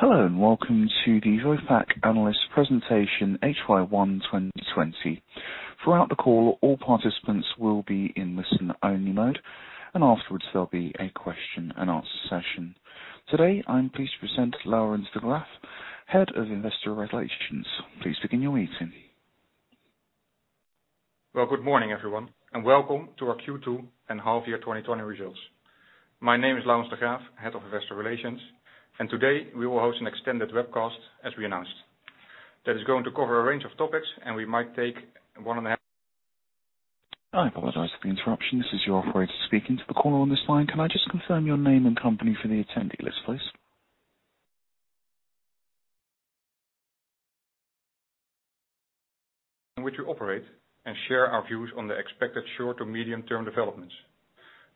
Hello, and welcome to the Vopak Analyst Presentation HY1 2020. Throughout the call, all participants will be in listen-only mode, and afterwards, there'll be a question-and-answer session. Today, I'm pleased to present Laurens de Graaf, Head of Investor Relations. Please begin your meeting. Well, good morning, everyone, and welcome to our Q2 and half year 2020 results. My name is Laurens de Graaf, Head of Investor Relations, and today we will host an extended webcast as we announced. That is going to cover a range of topics and we might take one and a half-. I apologize for the interruption. This is your operator speaking to the call on this line. Can I just confirm your name and company for the attendee list, please? In which we operate and share our views on the expected short to medium-term developments.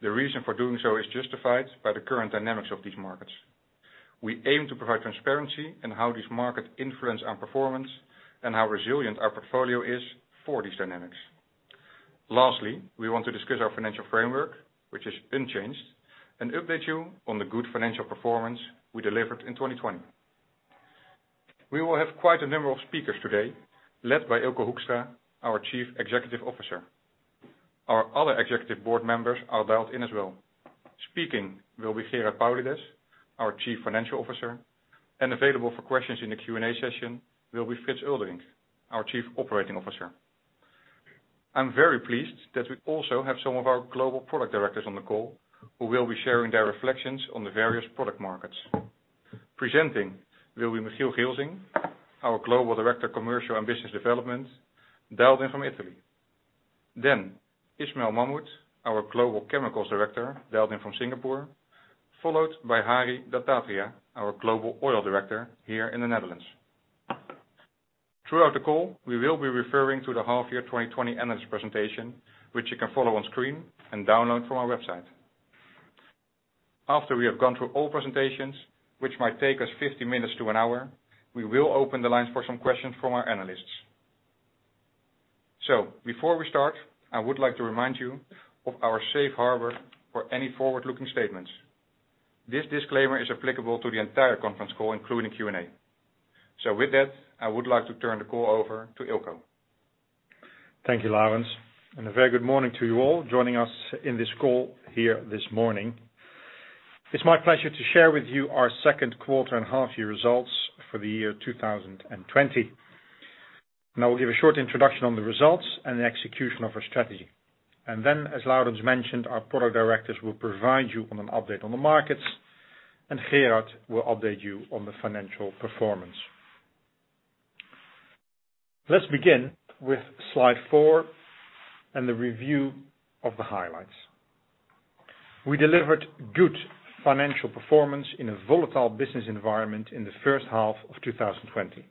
The reason for doing so is justified by the current dynamics of these markets. We aim to provide transparency in how these markets influence our performance and how resilient our portfolio is for these dynamics. Lastly, we want to discuss our financial framework, which is unchanged, and update you on the good financial performance we delivered in 2020. We will have quite a number of speakers today, led by Eelco Hoekstra, our Chief Executive Officer. Our other executive board members are dialed in as well. Speaking will be Gerard Paulides, our Chief Financial Officer, and available for questions in the Q&A session will be Frits Eulderink, our Chief Operating Officer. I'm very pleased that we also have some of our global product directors on the call who will be sharing their reflections on the various product markets. Presenting will be Michiel Gilsing, our Global Director Commercial and Business Development, dialed in from Italy. Ismail Mahmud, our Global Chemicals Director, dialed in from Singapore, followed by Hari Dattatreya, our Global Oil Director here in the Netherlands. Throughout the call, we will be referring to the half year 2020 analyst presentation, which you can follow on screen and download from our website. After we have gone through all presentations, which might take us 50 minutes to one hour, we will open the lines for some questions from our analysts. Before we start, I would like to remind you of our safe harbor for any forward-looking statements. This disclaimer is applicable to the entire conference call, including Q&A. With that, I would like to turn the call over to Eelco. Thank you, Laurens. A very good morning to you all joining us in this call here this morning. It's my pleasure to share with you our second quarter and half-year results for the year 2020. Now we'll give a short introduction on the results and the execution of our strategy. Then, as Laurens mentioned, our product directors will provide you on an update on the markets, and Gerard will update you on the financial performance. Let's begin with slide four and the review of the highlights. We delivered good financial performance in a volatile business environment in the first half of 2020.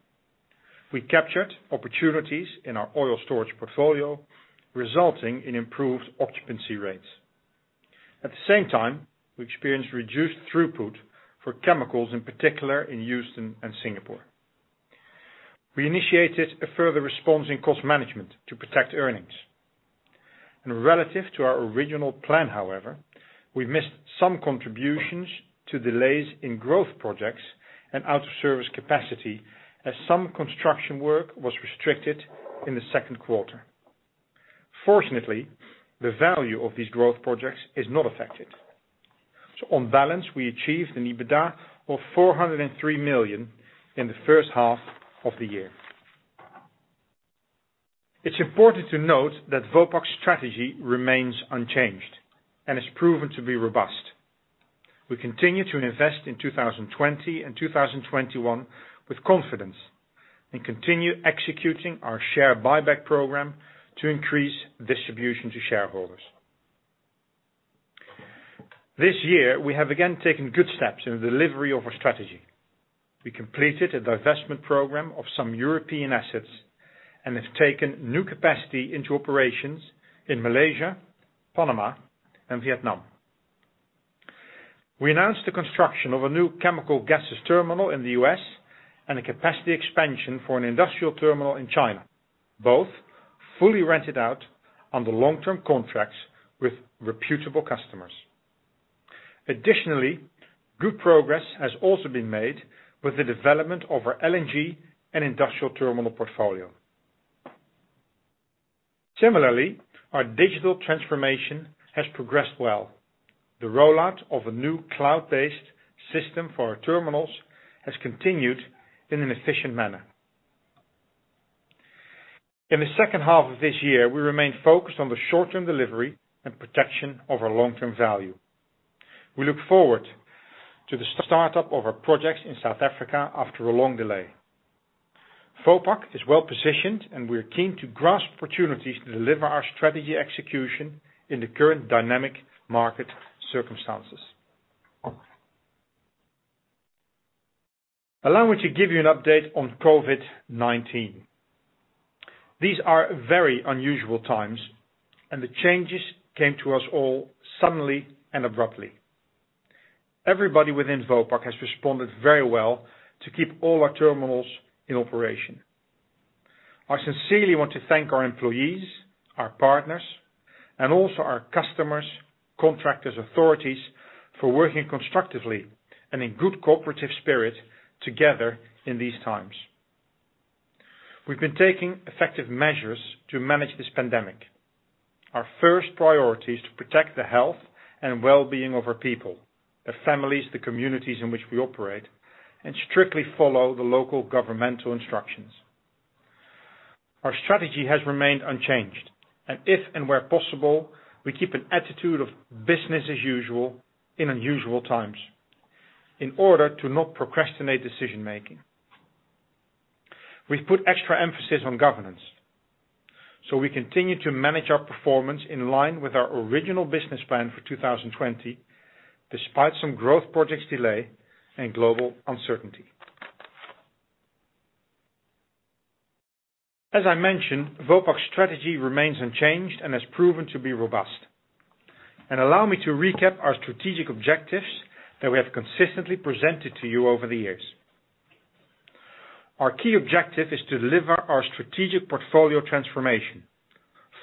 We captured opportunities in our oil storage portfolio, resulting in improved occupancy rates. At the same time, we experienced reduced throughput for chemicals, in particular in Houston and Singapore. We initiated a further response in cost management to protect earnings. Relative to our original plan, however, we missed some contributions to delays in growth projects and out-of-service capacity as some construction work was restricted in the second quarter. Fortunately, the value of these growth projects is not affected. On balance, we achieved an EBITDA of $403 million in the first half of the year. It's important to note that Vopak's strategy remains unchanged and is proven to be robust. We continue to invest in 2020 and 2021 with confidence and continue executing our share buyback program to increase distribution to shareholders. This year, we have again taken good steps in the delivery of our strategy. We completed a divestment program of some European assets and have taken new capacity into operations in Malaysia, Panama, and Vietnam. We announced the construction of a new chemical gases terminal in the U.S. and a capacity expansion for an industrial terminal in China, both fully rented out under long-term contracts with reputable customers. Good progress has also been made with the development of our LNG and industrial terminal portfolio. Our digital transformation has progressed well. The rollout of a new cloud-based system for our terminals has continued in an efficient manner. In the second half of this year, we remain focused on the short-term delivery and protection of our long-term value. We look forward to the startup of our projects in South Africa after a long delay. Vopak is well-positioned, and we're keen to grasp opportunities to deliver our strategy execution in the current dynamic market circumstances. Allow me to give you an update on COVID-19. These are very unusual times. The changes came to us all suddenly and abruptly. Everybody within Vopak has responded very well to keep all our terminals in operation. I sincerely want to thank our employees, our partners, and also our customers, contractors, authorities for working constructively and in good cooperative spirit together in these times. We've been taking effective measures to manage this pandemic. Our first priority is to protect the health and wellbeing of our people, the families, the communities in which we operate, and strictly follow the local governmental instructions. Our strategy has remained unchanged, and if and where possible, we keep an attitude of business as usual in unusual times in order to not procrastinate decision-making. We've put extra emphasis on governance. We continue to manage our performance in line with our original business plan for 2020, despite some growth projects delay and global uncertainty. As I mentioned, Vopak's strategy remains unchanged and has proven to be robust. Allow me to recap our strategic objectives that we have consistently presented to you over the years. Our key objective is to deliver our strategic portfolio transformation,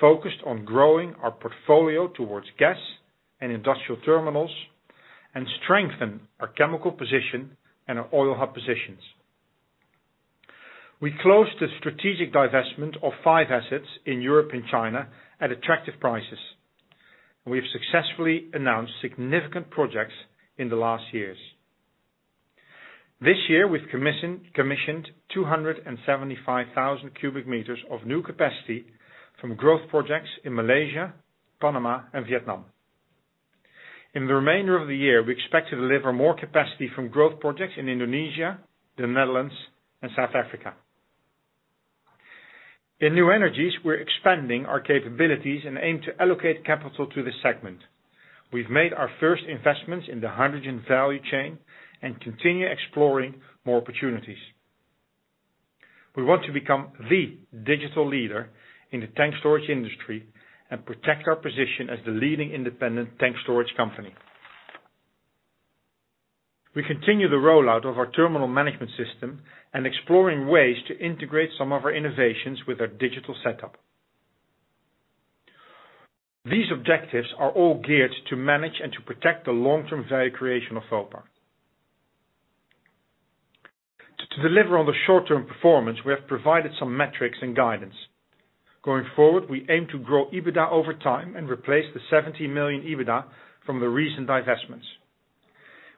focused on growing our portfolio towards gas and industrial terminals, and strengthen our chemical position and our oil hub positions. We closed the strategic divestment of five assets in Europe and China at attractive prices, and we've successfully announced significant projects in the last years. This year, we've commissioned 275,000 cubic meters of new capacity from growth projects in Malaysia, Panama, and Vietnam. In the remainder of the year, we expect to deliver more capacity from growth projects in Indonesia, The Netherlands, and South Africa. In new energies, we're expanding our capabilities and aim to allocate capital to this segment. We've made our first investments in the hydrogen value chain and continue exploring more opportunities. We want to become the digital leader in the tank storage industry and protect our position as the leading independent tank storage company. We continue the rollout of our terminal management system and exploring ways to integrate some of our innovations with our digital setup. These objectives are all geared to manage and to protect the long-term value creation of Vopak. To deliver on the short-term performance, we have provided some metrics and guidance. Going forward, we aim to grow EBITDA over time and replace the 17 million EBITDA from the recent divestments.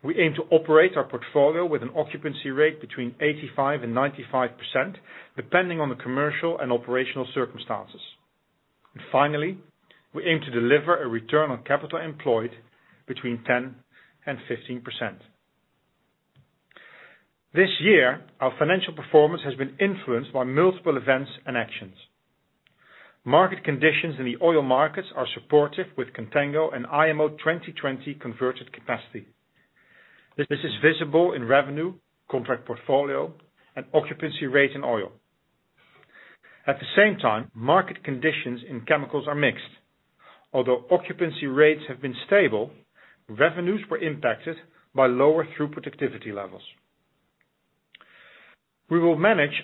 We aim to operate our portfolio with an occupancy rate between 85%-95%, depending on the commercial and operational circumstances. Finally, we aim to deliver a return on capital employed between 10%-15%. This year, our financial performance has been influenced by multiple events and actions. Market conditions in the oil markets are supportive with contango and IMO 2020 converted capacity. This is visible in revenue, contract portfolio, and occupancy rate in oil. At the same time, market conditions in chemicals are mixed. Although occupancy rates have been stable, revenues were impacted by lower throughput activity levels. We will manage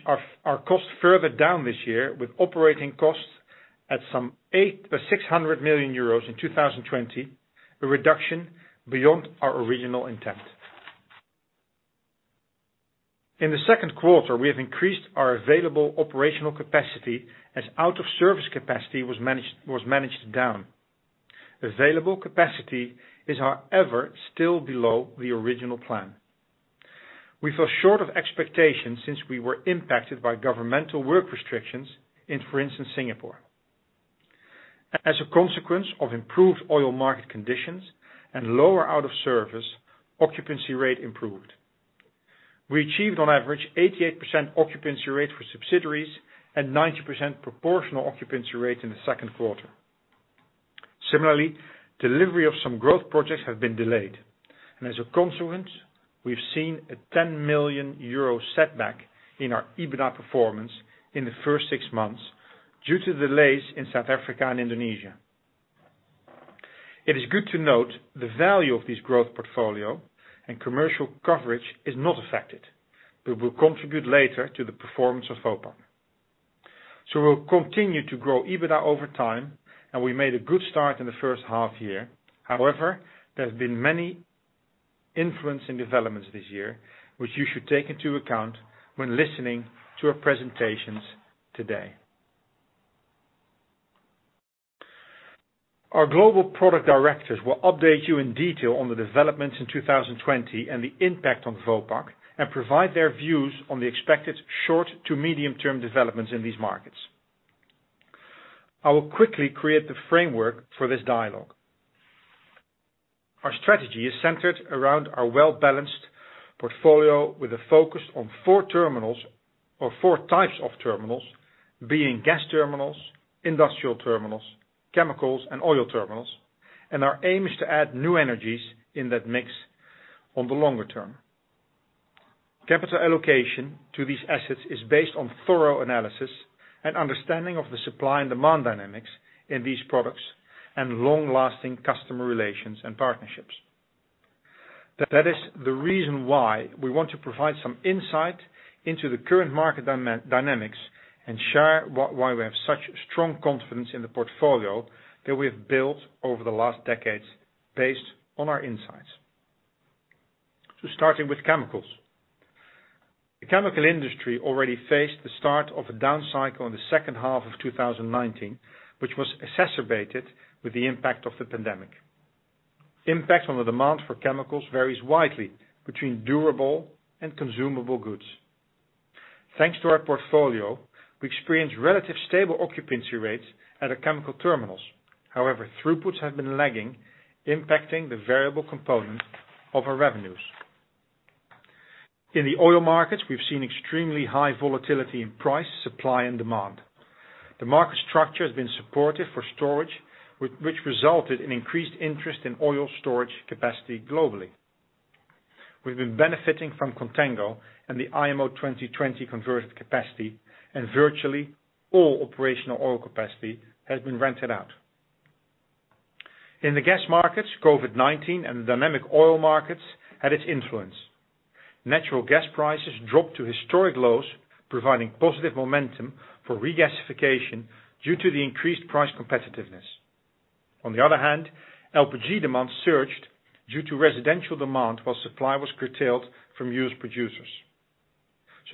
our costs further down this year with operating costs at some 600 million euros in 2020, a reduction beyond our original intent. In the second quarter, we have increased our available operational capacity as out-of-service capacity was managed down. Available capacity is however still below the original plan. We fell short of expectations since we were impacted by governmental work restrictions in, for instance, Singapore. As a consequence of improved oil market conditions and lower out-of-service, occupancy rate improved. We achieved on average 88% occupancy rate for subsidiaries and 90% proportional occupancy rate in the second quarter. Similarly, delivery of some growth projects have been delayed, and as a consequence, we've seen a 10 million euro setback in our EBITDA performance in the first six months due to delays in South Africa and Indonesia. It is good to note the value of this growth portfolio and commercial coverage is not affected. It will contribute later to the performance of Vopak. We'll continue to grow EBITDA over time, and we made a good start in the first half-year. However, there have been many influencing developments this year, which you should take into account when listening to our presentations today. Our global product directors will update you in detail on the developments in 2020 and the impact on Vopak and provide their views on the expected short to medium-term developments in these markets. I will quickly create the framework for this dialogue. Our strategy is centered around our well-balanced portfolio with a focus on four terminals or four types of terminals, being gas terminals, industrial terminals, chemicals, and oil terminals, and our aim is to add new energies in that mix on the longer term. Capital allocation to these assets is based on thorough analysis and understanding of the supply and demand dynamics in these products and long-lasting customer relations and partnerships. That is the reason why we want to provide some insight into the current market dynamics and share why we have such strong confidence in the portfolio that we have built over the last decades based on our insights. Starting with chemicals. The chemical industry already faced the start of a down cycle in the second half of 2019, which was exacerbated with the impact of the pandemic. Impact on the demand for chemicals varies widely between durable and consumable goods. Thanks to our portfolio, we experience relative stable occupancy rates at our chemical terminals. Throughputs have been lagging, impacting the variable component of our revenues. In the oil markets, we've seen extremely high volatility in price, supply, and demand. The market structure has been supportive for storage, which resulted in increased interest in oil storage capacity globally. We've been benefiting from contango and the IMO 2020 converted capacity, and virtually all operational oil capacity has been rented out. In the gas markets, COVID-19 and the dynamic oil markets had its influence. Natural gas prices dropped to historic lows, providing positive momentum for regasification due to the increased price competitiveness. On the other hand, LPG demand surged due to residential demand, while supply was curtailed from U.S. producers.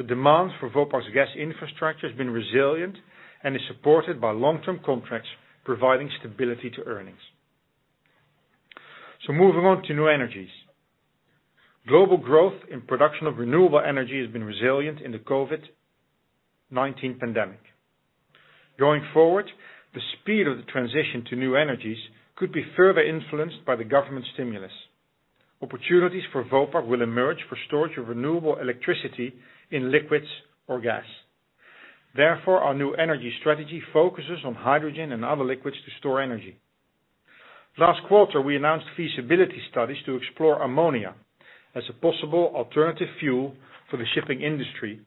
Demand for Vopak's gas infrastructure has been resilient and is supported by long-term contracts providing stability to earnings. Moving on to new energies. Global growth and production of renewable energy has been resilient in the COVID-19 pandemic. Going forward, the speed of the transition to new energies could be further influenced by the government stimulus. Opportunities for Vopak will emerge for storage of renewable electricity in liquids or gas. Therefore, our new energy strategy focuses on hydrogen and other liquids to store energy. Last quarter, we announced feasibility studies to explore ammonia as a possible alternative fuel for the shipping industry,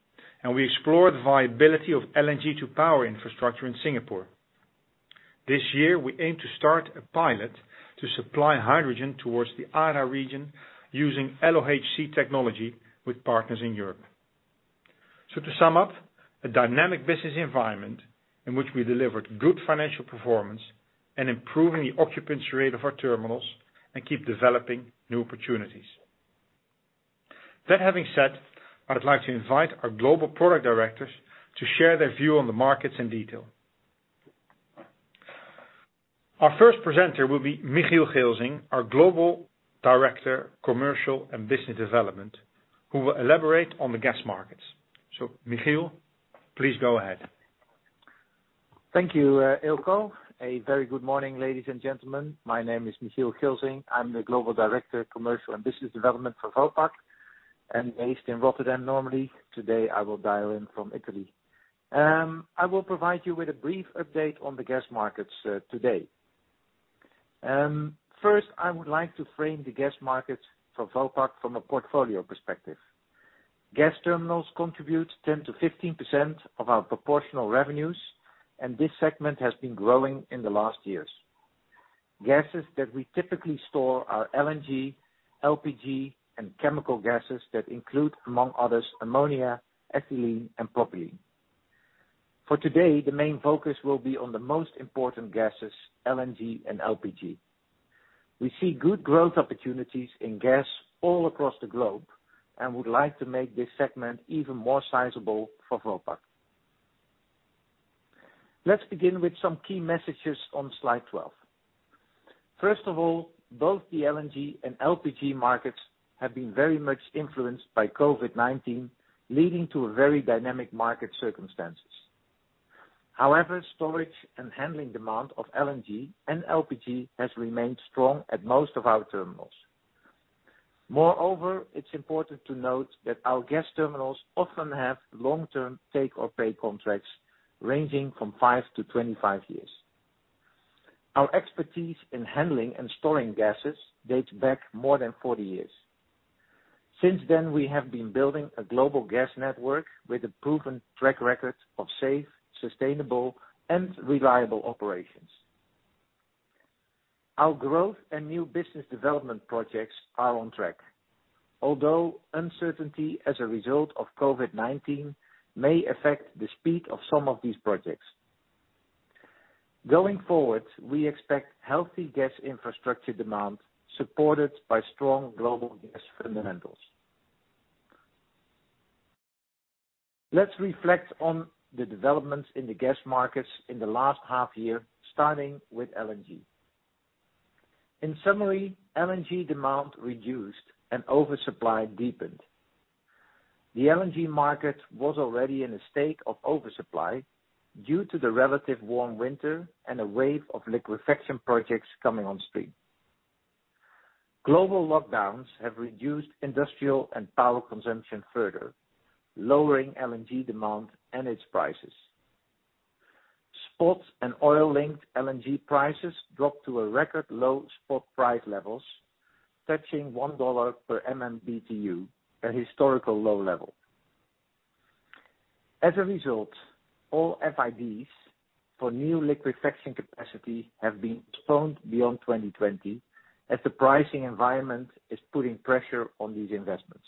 and we explored the viability of LNG-to-power infrastructure in Singapore. This year, we aim to start a pilot to supply hydrogen towards the ARA region using LOHC technology with partners in Europe. To sum up, a dynamic business environment in which we delivered good financial performance and improving the occupancy rate of our terminals and keep developing new opportunities. That having said, I would like to invite our global product directors to share their view on the markets in detail. Our first presenter will be Michiel Gilsing, our Global Director, Commercial and Business Development, who will elaborate on the gas markets. Michiel, please go ahead. Thank you, Eelco. A very good morning, ladies and gentlemen. My name is Michiel Gilsing. I'm the Global Director, Commercial and Business Development for Vopak. I'm based in Rotterdam normally. Today, I will dial in from Italy. I will provide you with a brief update on the gas markets today. First, I would like to frame the gas markets for Vopak from a portfolio perspective. Gas terminals contribute 10%-15% of our proportional revenues, and this segment has been growing in the last years. Gases that we typically store are LNG, LPG, and chemical gases that include, among others, ammonia, ethylene, and propylene. For today, the main focus will be on the most important gases, LNG and LPG. We see good growth opportunities in gas all across the globe and would like to make this segment even more sizable for Vopak. Let's begin with some key messages on slide 12. First of all, both the LNG and LPG markets have been very much influenced by COVID-19, leading to very dynamic market circumstances. However, storage and handling demand of LNG and LPG has remained strong at most of our terminals. Moreover, it's important to note that our gas terminals often have long-term take-or-pay contracts ranging from 5-25 years. Our expertise in handling and storing gases dates back more than 40 years. Since then, we have been building a global gas network with a proven track record of safe, sustainable, and reliable operations. Our growth and new business development projects are on track, although uncertainty as a result of COVID-19 may affect the speed of some of these projects. Going forward, we expect healthy gas infrastructure demand supported by strong global gas fundamentals. Let's reflect on the developments in the gas markets in the last half year, starting with LNG. In summary, LNG demand reduced and oversupply deepened. The LNG market was already in a state of oversupply due to the relative warm winter and a wave of liquefaction projects coming on stream. Global lockdowns have reduced industrial and power consumption further, lowering LNG demand and its prices. Spot and oil-linked LNG prices dropped to a record low spot price levels, touching $1 per MMBtu, a historical low level. All FIDs for new liquefaction capacity have been postponed beyond 2020 as the pricing environment is putting pressure on these investments.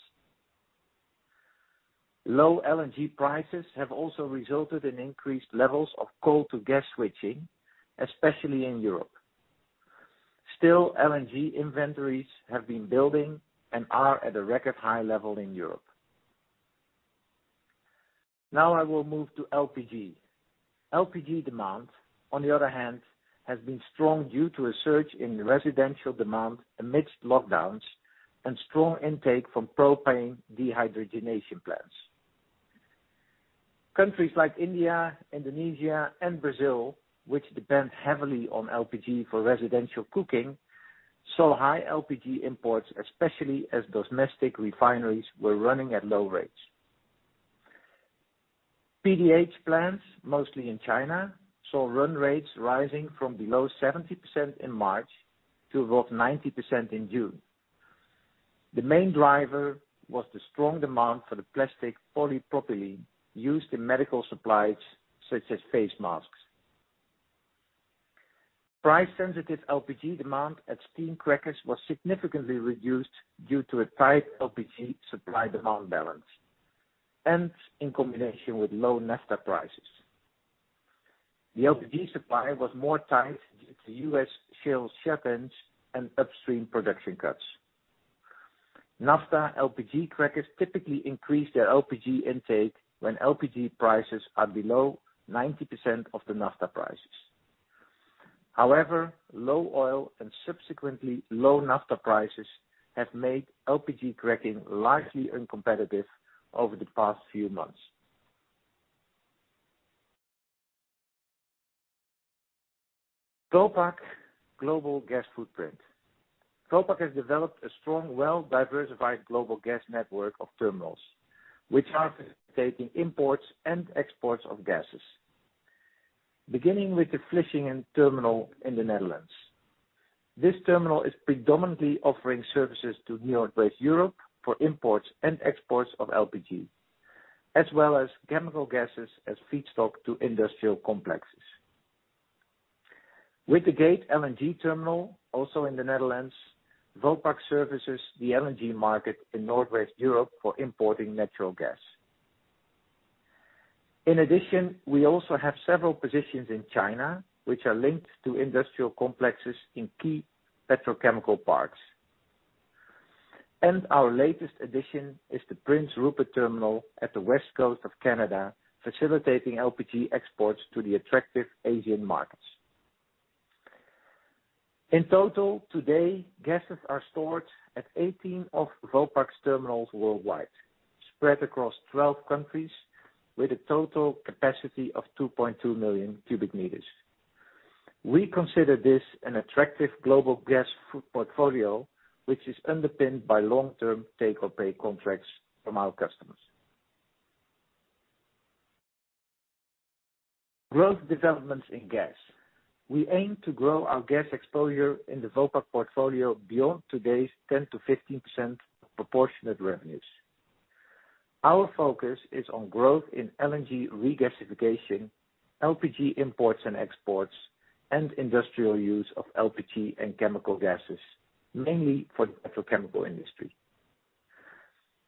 Low LNG prices have also resulted in increased levels of coal to gas switching, especially in Europe. LNG inventories have been building and are at a record high level in Europe. I will move to LPG. LPG demand, on the other hand, has been strong due to a surge in residential demand amidst lockdowns and strong intake from propane dehydrogenation plants. Countries like India, Indonesia, and Brazil, which depend heavily on LPG for residential cooking, saw high LPG imports, especially as domestic refineries were running at low rates. PDH plants, mostly in China, saw run rates rising from below 70% in March to above 90% in June. The main driver was the strong demand for the plastic polypropylene used in medical supplies such as face masks. Price sensitive LPG demand at steam crackers was significantly reduced due to a tight LPG supply demand balance, and in combination with low naphtha prices. The LPG supply was more tight due to U.S. shale shut-ins and upstream production cuts. Naphtha LPG crackers typically increase their LPG intake when LPG prices are below 90% of the naphtha prices. However, low oil and subsequently low naphtha prices have made LPG cracking largely uncompetitive over the past few months. Vopak global gas footprint. Vopak has developed a strong, well-diversified global gas network of terminals, which are facilitating imports and exports of gases. Beginning with the Vlissingen terminal in the Netherlands. This terminal is predominantly offering services to Northwest Europe for imports and exports of LPG, as well as chemical gases as feedstock to industrial complexes. With the Gate LNG terminal, also in the Netherlands, Vopak services the LNG market in Northwest Europe for importing natural gas. In addition, we also have several positions in China, which are linked to industrial complexes in key petrochemical parks. Our latest addition is the Prince Rupert terminal at the West Coast of Canada, facilitating LPG exports to the attractive Asian markets. In total, today, gases are stored at 18 of Vopak's terminals worldwide, spread across 12 countries with a total capacity of 2.2 million cubic meters. We consider this an attractive global gas portfolio, which is underpinned by long-term take-or-pay contracts from our customers. Growth developments in gas. We aim to grow our gas exposure in the Vopak portfolio beyond today's 10%-15% proportionate revenues. Our focus is on growth in LNG regasification, LPG imports and exports, and industrial use of LPG and chemical gases, mainly for the petrochemical industry.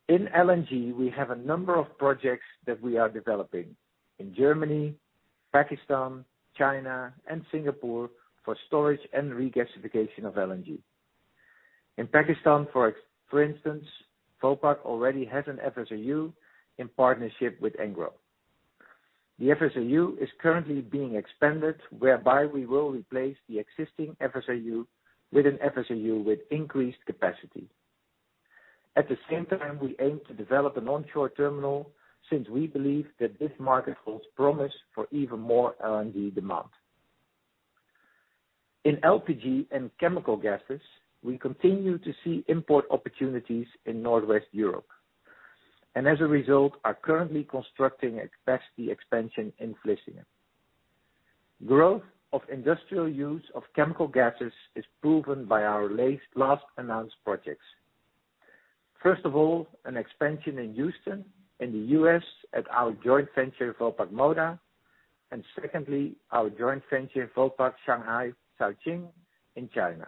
In LNG, we have a number of projects that we are developing in Germany, Pakistan, China, and Singapore for storage and regasification of LNG. In Pakistan, for instance, Vopak already has an FSRU in partnership with Engro. The FSRU is currently being expanded, whereby we will replace the existing FSRU with an FSRU with increased capacity. At the same time, we aim to develop an onshore terminal since we believe that this market holds promise for even more LNG demand. In LPG and chemical gases, we continue to see import opportunities in Northwest Europe, and as a result, are currently constructing a capacity expansion in Vlissingen. Growth of industrial use of chemical gases is proven by our last announced projects. First of all, an expansion in Houston in the U.S. at our joint venture Vopak Moda, and secondly, our joint venture Vopak Shanghai Caojing in China.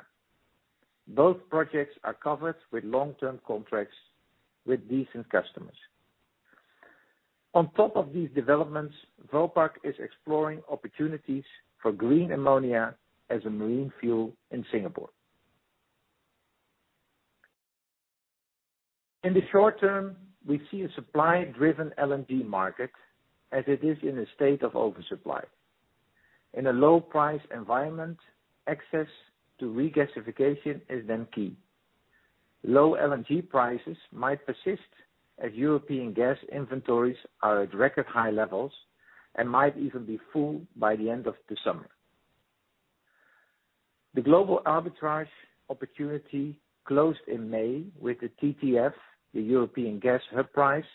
Both projects are covered with long-term contracts with decent customers. On top of these developments, Vopak is exploring opportunities for green ammonia as a marine fuel in Singapore. In the short-term, we see a supply-driven LNG market as it is in a state of oversupply. In a low price environment, access to regasification is then key. Low LNG prices might persist as European gas inventories are at record high levels and might even be full by the end of the summer. The global arbitrage opportunity closed in May with the TTF, the European gas hub price,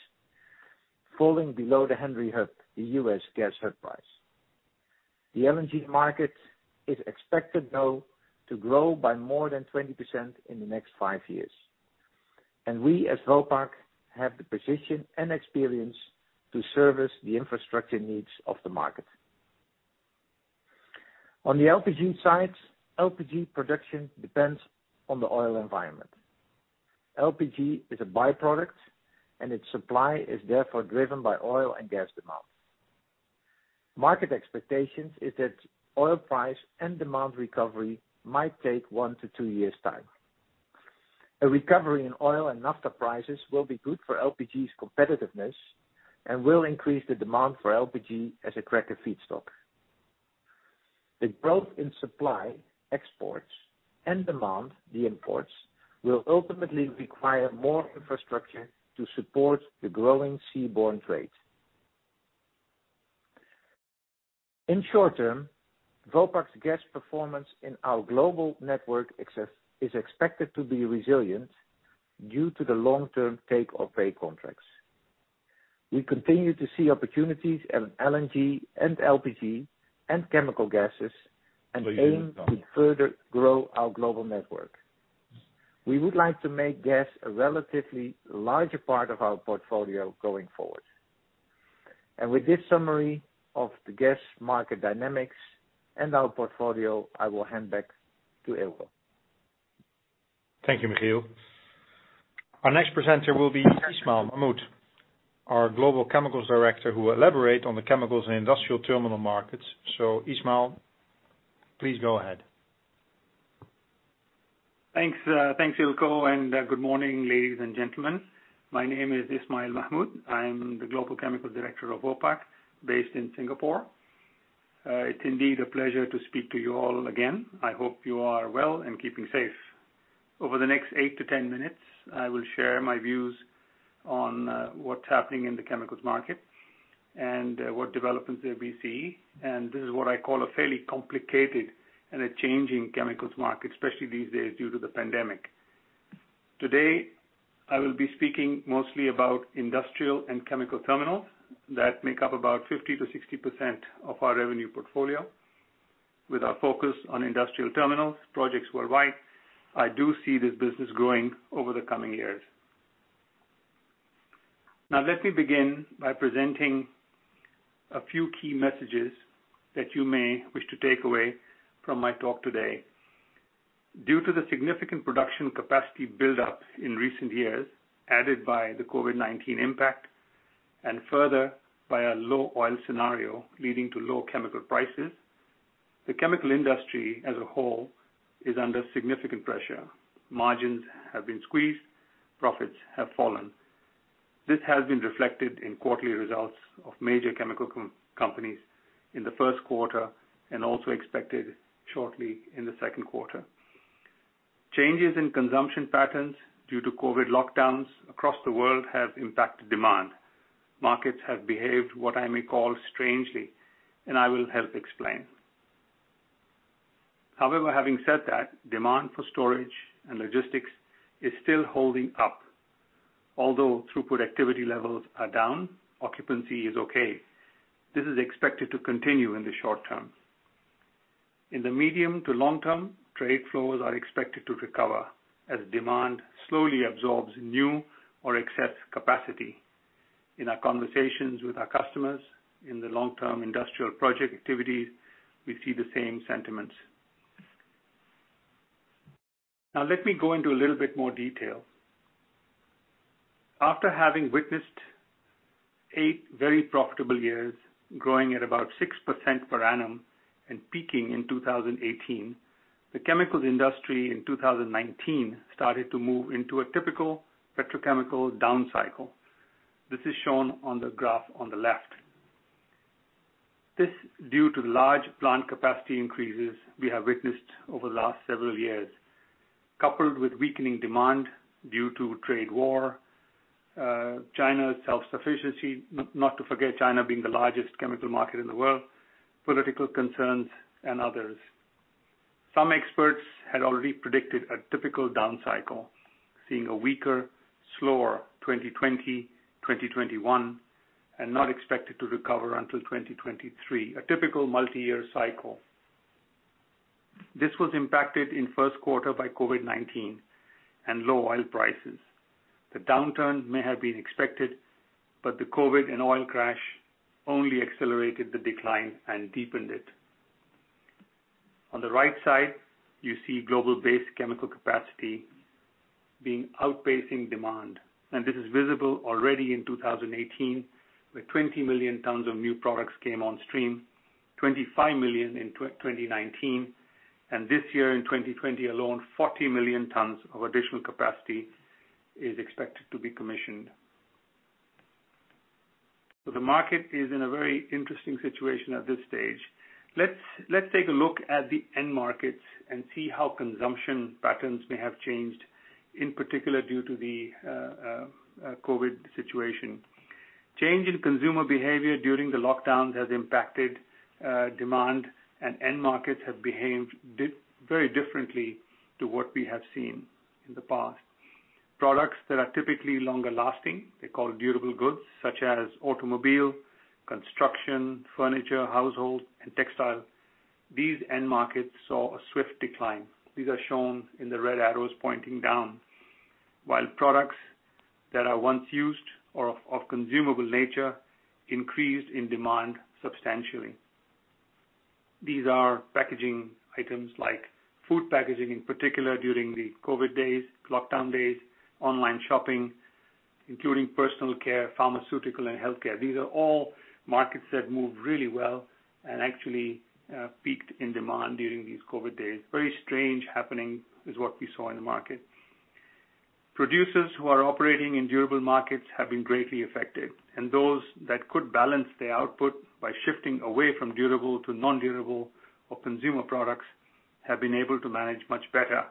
falling below the Henry Hub, the U.S. gas hub price. The LNG market is expected now to grow by more than 20% in the next five years. We, as Vopak, have the position and experience to service the infrastructure needs of the market. On the LPG side, LPG production depends on the oil environment. LPG is a by-product, and its supply is therefore driven by oil and gas demand. Market expectations is that oil price and demand recovery might take one to two years' time. A recovery in oil and naphtha prices will be good for LPG's competitiveness and will increase the demand for LPG as a cracker feedstock. The growth in supply, exports, and demand, the imports, will ultimately require more infrastructure to support the growing seaborne trade. In short-term, Vopak's gas performance in our global network is expected to be resilient due to the long-term take-or-pay contracts. We continue to see opportunities in LNG and LPG and chemical gases, and aim to further grow our global network. We would like to make gas a relatively larger part of our portfolio going forward. With this summary of the gas market dynamics and our portfolio, I will hand back to Eelco. Thank you, Michiel. Our next presenter will be Ismail Mahmud, our Global Chemicals Director, who will elaborate on the chemicals and industrial terminal markets. Ismail, please go ahead. Thanks. Thanks, Eelco. Good morning, ladies and gentlemen. My name is Ismail Mahmud. I am the Global Chemical Director of Vopak, based in Singapore. It's indeed a pleasure to speak to you all again. I hope you are well and keeping safe. Over the next 8-10 minutes, I will share my views on what's happening in the chemicals market and what developments that we see. This is what I call a fairly complicated and a changing chemicals market, especially these days due to the pandemic. Today, I will be speaking mostly about industrial and chemical terminals that make up about 50%-60% of our revenue portfolio. With our focus on industrial terminals projects worldwide, I do see this business growing over the coming years. Let me begin by presenting a few key messages that you may wish to take away from my talk today. Due to the significant production capacity build-ups in recent years, added by the COVID-19 impact, and further by a low oil scenario leading to low chemical prices, the chemical industry as a whole is under significant pressure. Margins have been squeezed. Profits have fallen. This has been reflected in quarterly results of major chemical companies in the first quarter, and also expected shortly in the second quarter. Changes in consumption patterns due to COVID lockdowns across the world have impacted demand. Markets have behaved what I may call strangely, and I will help explain. However, having said that, demand for storage and logistics is still holding up. Although throughput activity levels are down, occupancy is okay. This is expected to continue in the short-term. In the medium to long-term, trade flows are expected to recover as demand slowly absorbs new or excess capacity. In our conversations with our customers in the long-term industrial project activities, we see the same sentiments. Let me go into a little bit more detail. After having witnessed eight very profitable years growing at about 6% per annum and peaking in 2018, the chemicals industry in 2019 started to move into a typical petrochemical down cycle. This is shown on the graph on the left. This, due to the large plant capacity increases we have witnessed over the last several years, coupled with weakening demand due to trade war, China's self-sufficiency, not to forget China being the largest chemical market in the world, political concerns, and others. Some experts had already predicted a typical down cycle, seeing a weaker, slower 2020, 2021, and not expected to recover until 2023. A typical multiyear cycle. This was impacted in first quarter by COVID-19 and low oil prices. The downturn may have been expected, the COVID and oil crash only accelerated the decline and deepened it. On the right side, you see global base chemical capacity outpacing demand. This is visible already in 2018, where 20 million tons of new products came on stream, 25 million in 2019, and this year in 2020 alone, 40 million tons of additional capacity is expected to be commissioned. The market is in a very interesting situation at this stage. Let's take a look at the end markets and see how consumption patterns may have changed, in particular due to the COVID situation. Change in consumer behavior during the lockdowns has impacted demand, and end markets have behaved very differently to what we have seen in the past. Products that are typically longer lasting, they're called durable goods, such as automobile, construction, furniture, household, and textile. These end markets saw a swift decline. These are shown in the red arrows pointing down. Products that are once used or of consumable nature increased in demand substantially. These are packaging items like food packaging in particular during the COVID-19 days, lockdown days, online shopping, including personal care, pharmaceutical, and healthcare. These are all markets that moved really well and actually peaked in demand during these COVID-19 days. Very strange happening is what we saw in the market. Producers who are operating in durable markets have been greatly affected, and those that could balance their output by shifting away from durable to non-durable or consumer products, have been able to manage much better.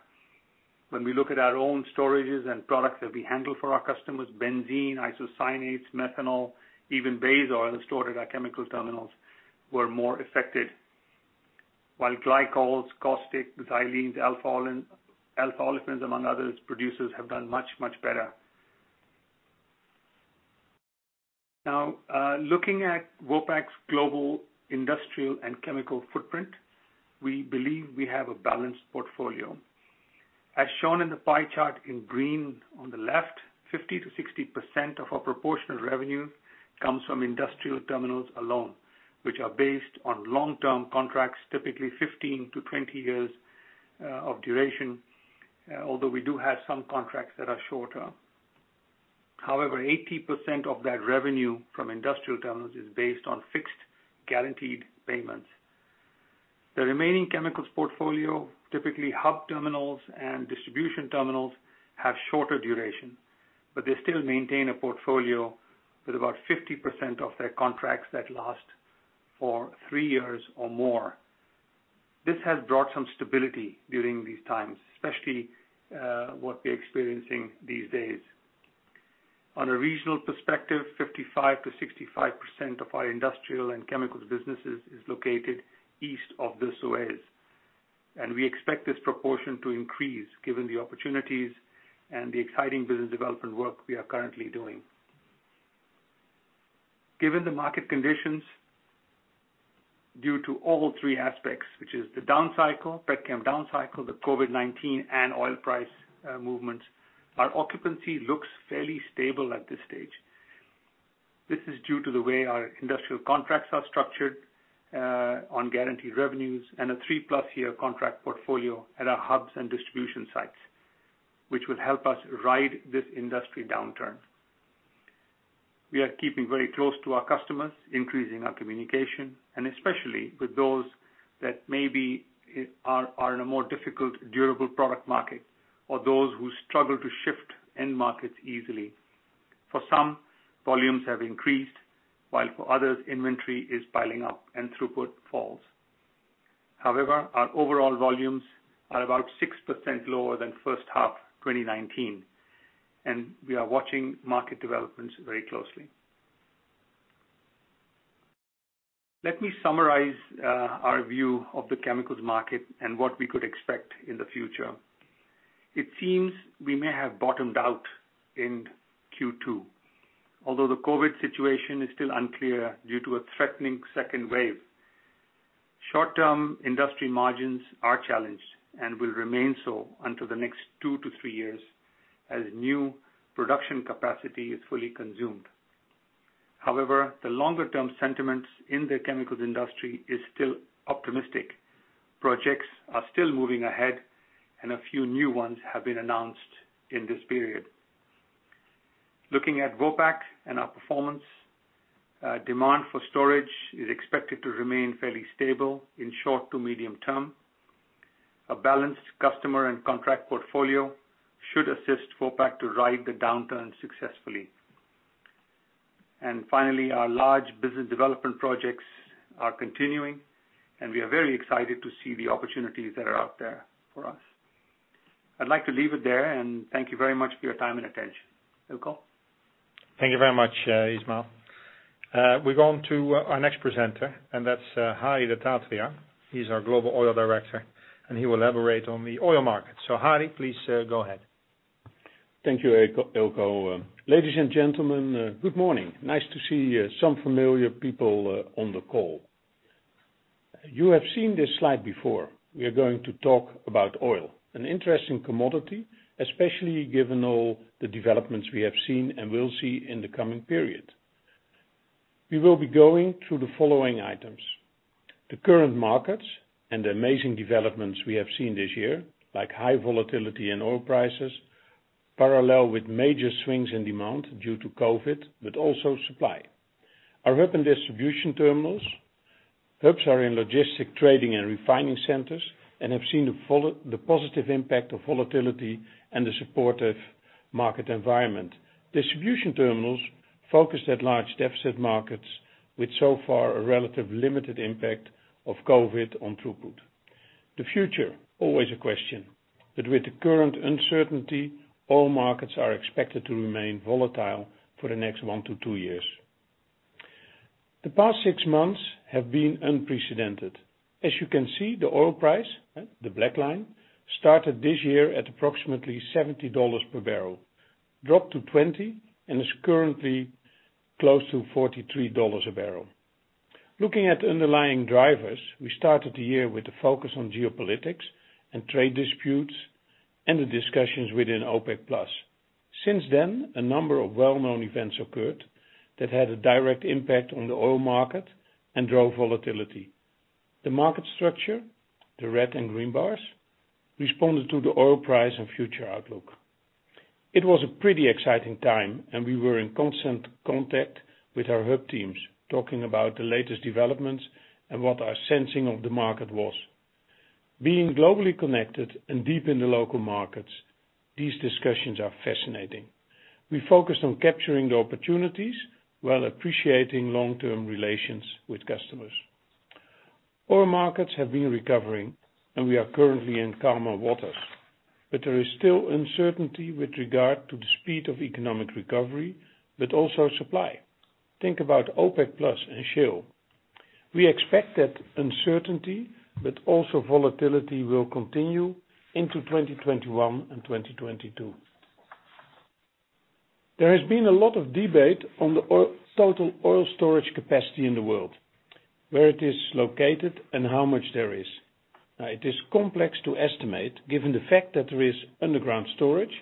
When we look at our own storages and products that we handle for our customers, benzene, isocyanates, methanol, even base oil stored at our chemical terminals, were more affected. While glycols, caustic, xylenes, alpha olefins, among others, producers have done much, much better. Looking at Vopak's global industrial and chemical footprint, we believe we have a balanced portfolio. As shown in the pie chart in green on the left, 50%-60% of our proportion of revenues comes from industrial terminals alone, which are based on long-term contracts, typically 15-20 years of duration, although we do have some contracts that are short-term. 80% of that revenue from industrial terminals is based on fixed, guaranteed payments. The remaining chemicals portfolio, typically hub terminals and distribution terminals, have shorter duration, they still maintain a portfolio with about 50% of their contracts that last for three years or more. This has brought some stability during these times, especially, what we're experiencing these days. On a regional perspective, 55%-65% of our industrial and chemicals businesses is located east of the Suez, and we expect this proportion to increase given the opportunities and the exciting business development work we are currently doing. Given the market conditions due to all three aspects, which is the down cycle, petchem down cycle, the COVID-19, and oil price movements, our occupancy looks fairly stable at this stage. This is due to the way our industrial contracts are structured, on guaranteed revenues, and a three-plus year contract portfolio at our hubs and distribution sites, which will help us ride this industry downturn. We are keeping very close to our customers, increasing our communication, and especially with those that maybe are in a more difficult durable product market or those who struggle to shift end markets easily. For some, volumes have increased, while for others, inventory is piling up and throughput falls. Our overall volumes are about 6% lower than first half 2019, and we are watching market developments very closely. Let me summarize our view of the chemicals market and what we could expect in the future. It seems we may have bottomed out in Q2, although the COVID-19 situation is still unclear due to a threatening second wave. Short-term industry margins are challenged and will remain so until the next two to three years as new production capacity is fully consumed. The longer-term sentiments in the chemicals industry is still optimistic. Projects are still moving ahead, and a few new ones have been announced in this period. Looking at Vopak and our performance, demand for storage is expected to remain fairly stable in short to medium-term. A balanced customer and contract portfolio should assist Vopak to ride the downturn successfully. Finally, our large business development projects are continuing, and we are very excited to see the opportunities that are out there for us. I'd like to leave it there, and thank you very much for your time and attention. Eelco? Thank you very much, Ismail. We go on to our next presenter, that's Hari Dattatreya. He's our Global Oil Director, and he will elaborate on the oil market. Hari, please go ahead. Thank you, Eelco. Ladies and gentlemen, good morning. Nice to see some familiar people on the call. You have seen this slide before. We are going to talk about oil, an interesting commodity, especially given all the developments we have seen and will see in the coming period. We will be going through the following items. The current markets and the amazing developments we have seen this year, like high volatility in oil prices, parallel with major swings in demand due to COVID, but also supply. Our hub and distribution terminals. Hubs are in logistic trading and refining centers and have seen the positive impact of volatility and the supportive market environment. Distribution terminals focused at large deficit markets with, so far, a relative limited impact of COVID on throughput. The future, always a question. With the current uncertainty, oil markets are expected to remain volatile for the next one to two years. The past six months have been unprecedented. As you can see, the oil price, the black line, started this year at approximately $70 per barrel, dropped to $20, and is currently close to $43 a barrel. Looking at underlying drivers, we started the year with the focus on geopolitics and trade disputes and the discussions within OPEC+. Since then, a number of well-known events occurred that had a direct impact on the oil market and drove volatility. The market structure, the red and green bars, responded to the oil price and future outlook. It was a pretty exciting time, and we were in constant contact with our hub teams, talking about the latest developments and what our sensing of the market was. Being globally connected and deep in the local markets, these discussions are fascinating. We focused on capturing the opportunities, while appreciating long-term relations with customers. Oil markets have been recovering, and we are currently in calmer waters, but there is still uncertainty with regard to the speed of economic recovery, but also supply. Think about OPEC+ and shale. We expect that uncertainty, but also volatility will continue into 2021 and 2022. There has been a lot of debate on the total oil storage capacity in the world, where it is located, and how much there is. Now it is complex to estimate given the fact that there is underground storage.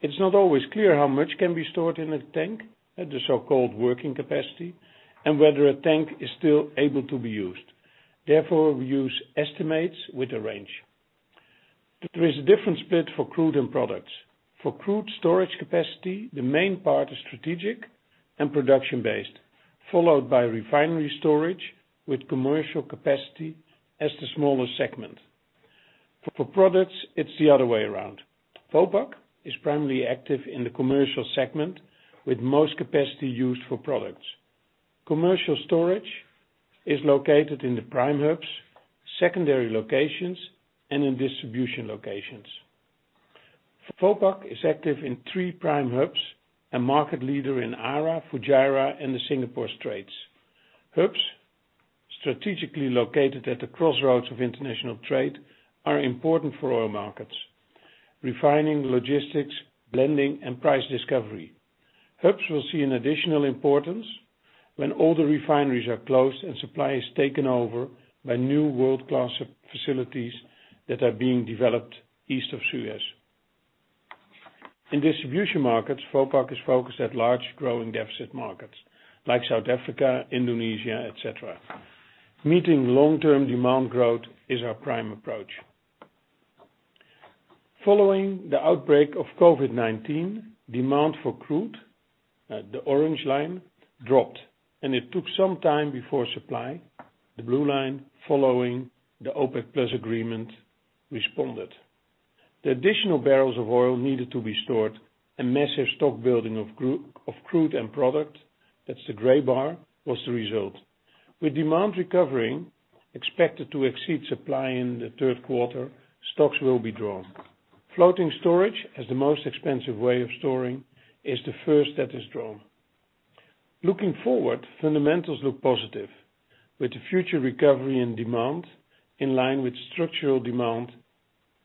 It's not always clear how much can be stored in a tank, at the so-called working capacity, and whether a tank is still able to be used. Therefore, we use estimates with a range. There is a different split for crude and products. For crude storage capacity, the main part is strategic and production-based, followed by refinery storage with commercial capacity as the smaller segment. For products, it's the other way around. Vopak is primarily active in the commercial segment, with most capacity used for products. Commercial storage is located in the prime hubs, secondary locations, and in distribution locations. Vopak is active in three prime hubs and market leader in ARA, Fujairah, and the Singapore Straits. Hubs strategically located at the crossroads of international trade are important for oil markets. Refining, logistics, blending, and price discovery. Hubs will see an additional importance when older refineries are closed and supply is taken over by new world-class facilities that are being developed east of Suez. In distribution markets, Vopak is focused at large growing deficit markets like South Africa, Indonesia, et cetera. Meeting long-term demand growth is our prime approach. Following the outbreak of COVID-19, demand for crude, the orange line, dropped and it took some time before supply, the blue line, following the OPEC+ agreement responded. The additional barrels of oil needed to be stored, a massive stock-building of crude and product, that's the gray bar, was the result. With demand recovering expected to exceed supply in the third quarter, stocks will be drawn. Floating storage as the most expensive way of storing is the first that is drawn. Looking forward, fundamentals look positive with the future recovery and demand in line with structural demand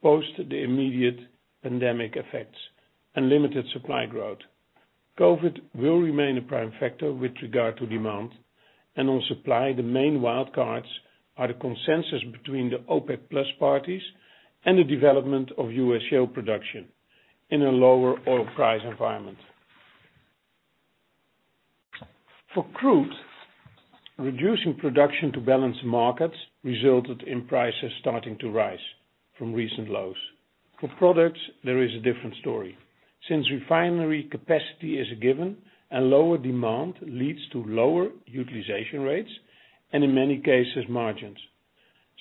post the immediate pandemic effects and limited supply growth. COVID will remain a prime factor with regard to demand and on supply the main wild cards are the consensus between the OPEC+ parties and the development of U.S. shale production in a lower oil price environment. For crude, reducing production to balance markets resulted in prices starting to rise from recent lows. For products, there is a different story. Since refinery capacity is a given and lower demand leads to lower utilization rates and in many cases, margins.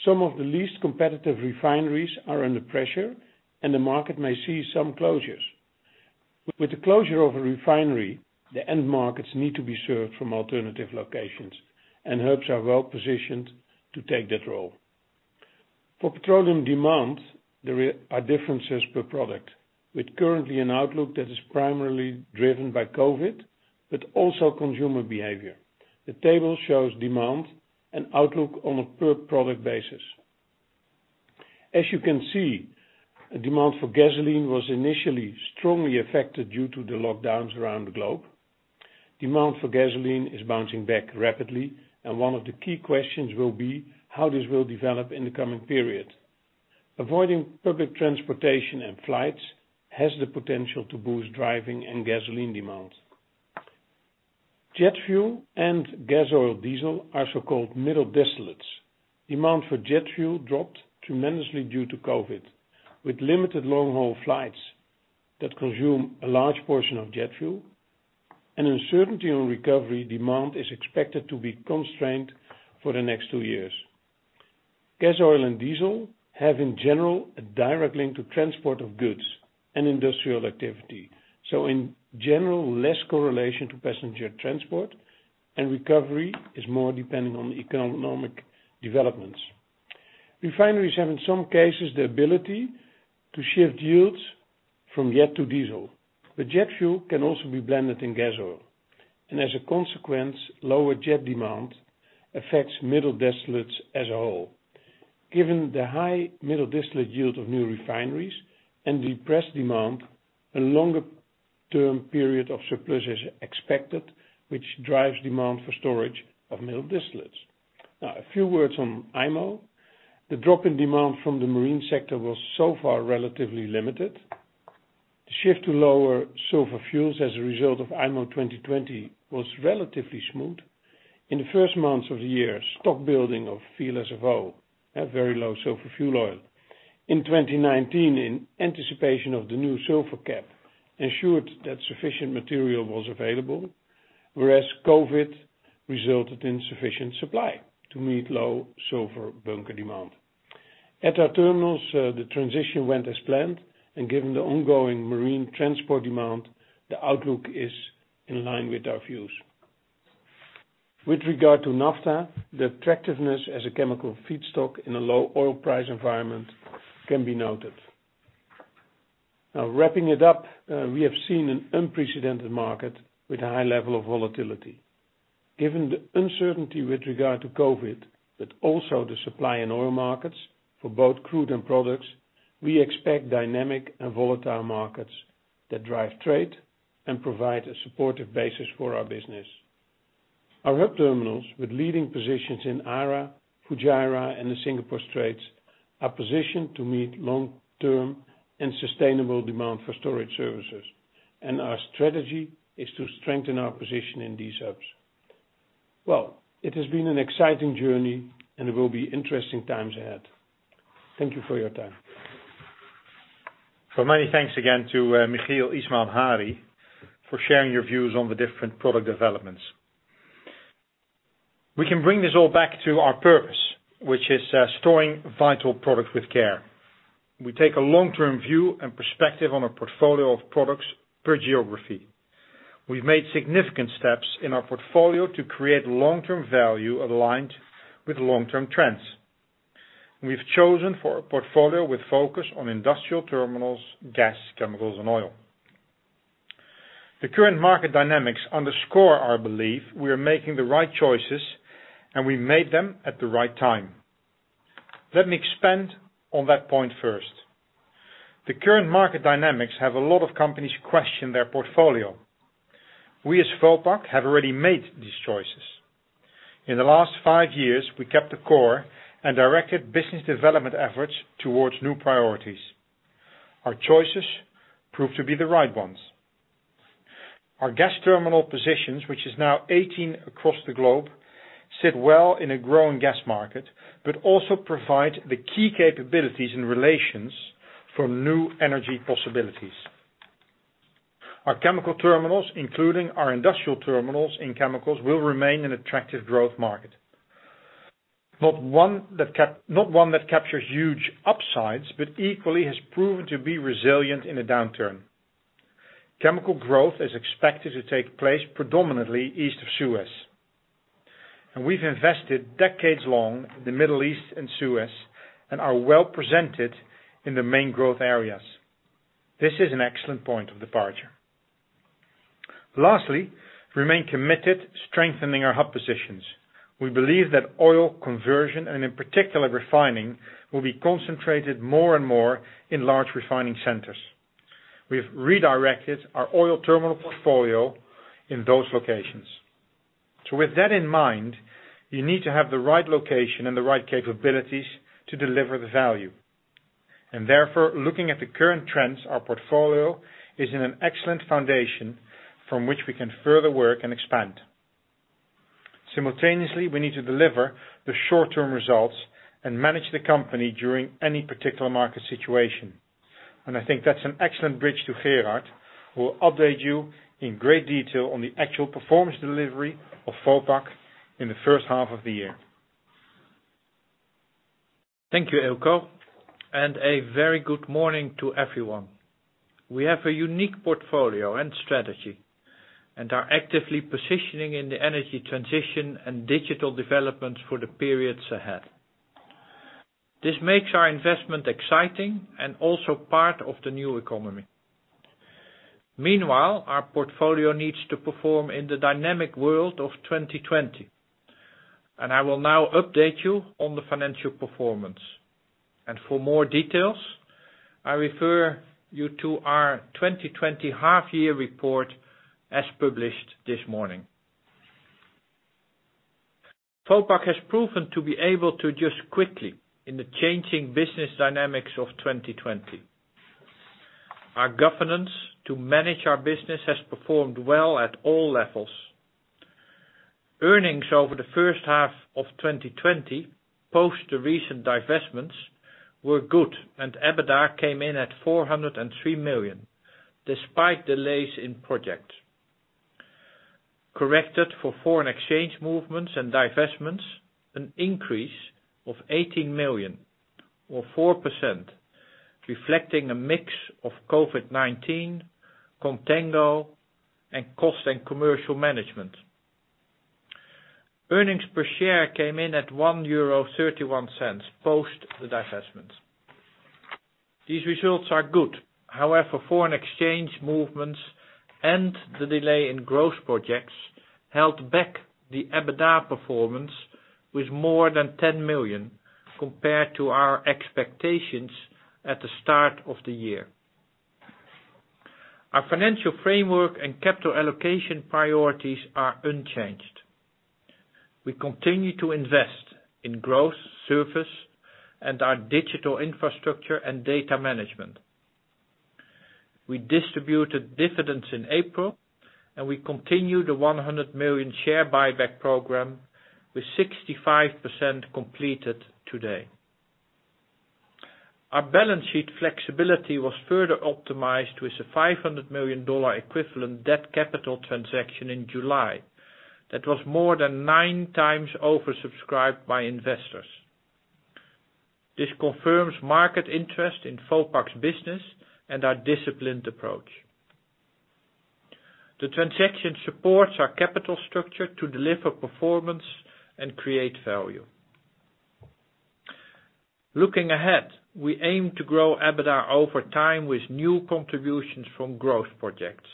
Some of the least competitive refineries are under pressure and the market may see some closures. With the closure of a refinery, the end markets need to be served from alternative locations, and hubs are well-positioned to take that role. For petroleum demand, there are differences per product with currently an outlook that is primarily driven by COVID, but also consumer behavior. The table shows demand and outlook on a per product basis. As you can see, demand for gasoline was initially strongly affected due to the lockdowns around the globe. Demand for gasoline is bouncing back rapidly and one of the key questions will be how this will develop in the coming period. Avoiding public transportation and flights has the potential to boost driving and gasoline demand. Jet fuel and gasoil diesel are so-called middle distillates. Demand for jet fuel dropped tremendously due to COVID-19. With limited long-haul flights that consume a large portion of jet fuel and uncertainty on recovery, demand is expected to be constrained for the next two years. Gasoil and diesel have, in general, a direct link to transport of goods and industrial activity. In general, less correlation to passenger transport and recovery is more dependent on economic developments. Refineries have, in some cases, the ability to shift yields from jet to diesel. Jet fuel can also be blended in gasoil, and as a consequence, lower jet demand affects middle distillates as a whole. Given the high middle distillate yield of new refineries and depressed demand, a longer-term period of surplus is expected, which drives demand for storage of middle distillates. A few words on IMO. The drop in demand from the marine sector was so far relatively limited. The shift to lower sulfur fuels as a result of IMO 2020 was relatively smooth. In the first months of the year, stock building of VLSFO, very low sulfur fuel oil, in 2019 in anticipation of the new sulfur cap ensured that sufficient material was available, whereas COVID resulted in sufficient supply to meet low sulfur bunker demand. At our terminals, the transition went as planned, given the ongoing marine transport demand, the outlook is in line with our views. With regard to naphtha, the attractiveness as a chemical feedstock in a low oil price environment can be noted. Now wrapping it up, we have seen an unprecedented market with a high level of volatility. Given the uncertainty with regard to COVID-19, but also the supply in oil markets for both crude and products, we expect dynamic and volatile markets that drive trade and provide a supportive basis for our business. Our hub terminals, with leading positions in ARA, Fujairah, and the Singapore Straits, are positioned to meet long-term and sustainable demand for storage services, and our strategy is to strengthen our position in these hubs. Well, it has been an exciting journey, and it will be interesting times ahead. Thank you for your time. Many thanks again to Michiel, Ismail, Hari for sharing your views on the different product developments. We can bring this all back to our purpose, which is storing vital products with care. We take a long-term view and perspective on our portfolio of products per geography. We've made significant steps in our portfolio to create long-term value aligned with long-term trends. We've chosen for a portfolio with focus on industrial terminals, gas, chemicals, and oil. The current market dynamics underscore our belief we are making the right choices and we made them at the right time. Let me expand on that point first. The current market dynamics have a lot of companies question their portfolio. We, as Vopak, have already made these choices. In the last five years, we kept the core and directed business development efforts towards new priorities. Our choices proved to be the right ones. Our gas terminal positions, which is now 18 across the globe, sit well in a growing gas market, but also provide the key capabilities and relations for new energy possibilities. Our chemical terminals, including our industrial terminals in chemicals, will remain an attractive growth market. Not one that captures huge upsides, but equally has proven to be resilient in a downturn. Chemical growth is expected to take place predominantly east of Suez. We've invested decades long in the Middle East and Suez and are well presented in the main growth areas. This is an excellent point of departure. Lastly, remain committed strengthening our hub positions. We believe that oil conversion, and in particular refining, will be concentrated more and more in large refining centers. We've redirected our oil terminal portfolio in those locations. With that in mind, you need to have the right location and the right capabilities to deliver the value. Therefore, looking at the current trends, our portfolio is in an excellent foundation from which we can further work and expand. Simultaneously, we need to deliver the short-term results and manage the company during any particular market situation. I think that's an excellent bridge to Gerard, who will update you in great detail on the actual performance delivery of Vopak in the first half of the year. Thank you, Eelco, and a very good morning to everyone. We have a unique portfolio and strategy and are actively positioning in the energy transition and digital developments for the periods ahead. This makes our investment exciting and also part of the new economy. Meanwhile, our portfolio needs to perform in the dynamic world of 2020. I will now update you on the financial performance. For more details, I refer you to our 2020 half year report as published this morning. Vopak has proven to be able to adjust quickly in the changing business dynamics of 2020. Our governance to manage our business has performed well at all levels. Earnings over the first half of 2020, post the recent divestments, were good, and EBITDA came in at 403 million, despite delays in projects. Corrected for foreign exchange movements and divestments, an increase of 18 million, or 4%, reflecting a mix of COVID-19, contango, and cost and commercial management. Earnings per share came in at 1.31 euro post the divestments. These results are good. Foreign exchange movements and the delay in growth projects held back the EBITDA performance with more than 10 million compared to our expectations at the start of the year. Our financial framework and capital allocation priorities are unchanged. We continue to invest in growth, service, and our digital infrastructure and data management. We distributed dividends in April, we continue the 100 million share buyback program with 65% completed today. Our balance sheet flexibility was further optimized with a EUR 500 million equivalent debt capital transaction in July. That was more than nine times oversubscribed by investors. This confirms market interest in Vopak's business and our disciplined approach. The transaction supports our capital structure to deliver performance and create value. Looking ahead, we aim to grow EBITDA over time with new contributions from growth projects,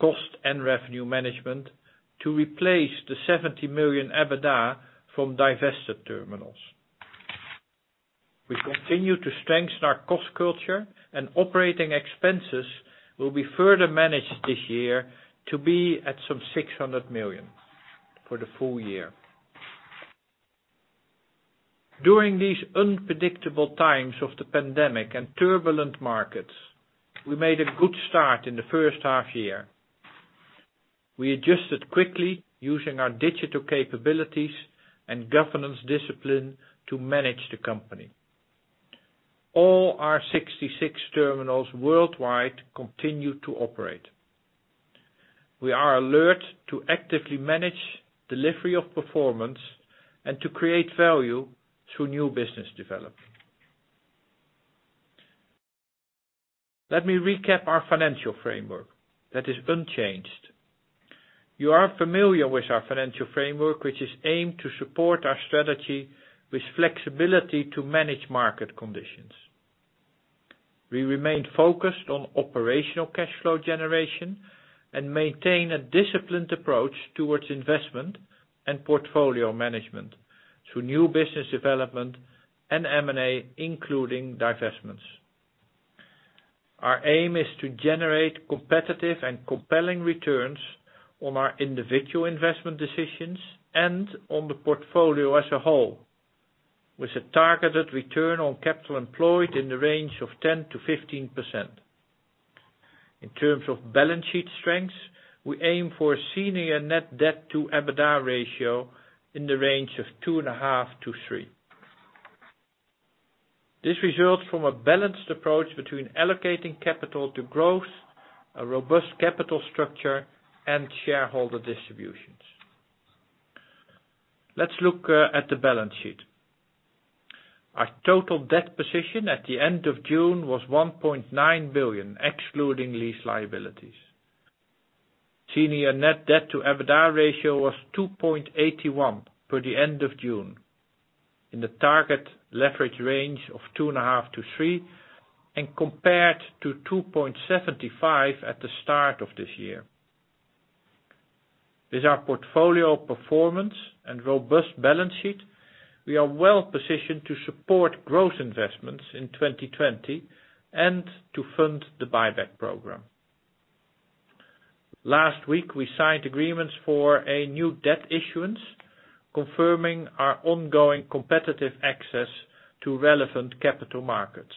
cost and revenue management to replace the 70 million EBITDA from divested terminals. We continue to strengthen our cost culture and operating expenses will be further managed this year to be at some 600 million for the full-year. During these unpredictable times of the pandemic and turbulent markets, we made a good start in the first half-year. We adjusted quickly using our digital capabilities and governance discipline to manage the company. All our 66 terminals worldwide continue to operate. We are alert to actively manage delivery of performance and to create value through new business development. Let me recap our financial framework. That is unchanged. You are familiar with our financial framework, which is aimed to support our strategy with flexibility to manage market conditions. We remain focused on operational cash flow generation and maintain a disciplined approach towards investment and portfolio management through new business development and M&A, including divestments. Our aim is to generate competitive and compelling returns on our individual investment decisions and on the portfolio as a whole, with a targeted return on capital employed in the range of 10%-15%. In terms of balance sheet strengths, we aim for senior net debt to EBITDA ratio in the range of two and a half to three. This results from a balanced approach between allocating capital to growth, a robust capital structure, and shareholder distributions. Let's look at the balance sheet. Our total debt position at the end of June was 1.9 billion, excluding lease liabilities. Senior net debt to EBITDA ratio was 2.81 for the end of June. In the target leverage range of 2.5-3 and compared to 2.75 at the start of this year. With our portfolio performance and robust balance sheet, we are well-positioned to support growth investments in 2020 and to fund the buyback program. Last week, we signed agreements for a new debt issuance, confirming our ongoing competitive access to relevant capital markets.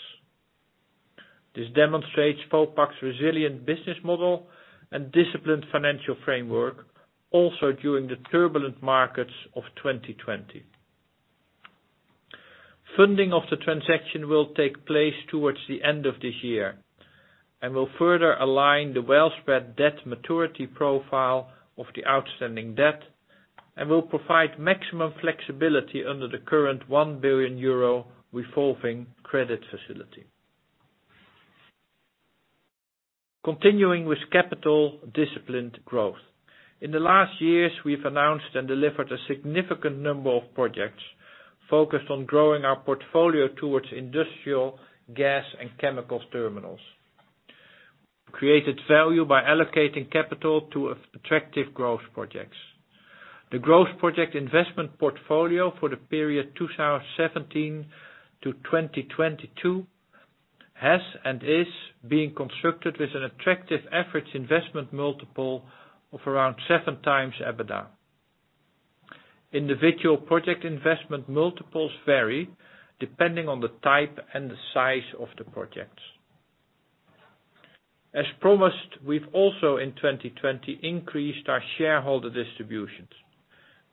This demonstrates Vopak's resilient business model and disciplined financial framework also during the turbulent markets of 2020. Funding of the transaction will take place towards the end of this year and will further align the well-spread debt maturity profile of the outstanding debt and will provide maximum flexibility under the current 1 billion euro revolving credit facility. Continuing with capital disciplined growth. In the last years, we've announced and delivered a significant number of projects focused on growing our portfolio towards industrial gas and chemicals terminals. Created value by allocating capital to attractive growth projects. The growth project investment portfolio for the period 2017-2022 has and is being constructed with an attractive average investment multiple of around 7x EBITDA. Individual project investment multiples vary depending on the type and the size of the projects. As promised, we've also in 2020 increased our shareholder distributions.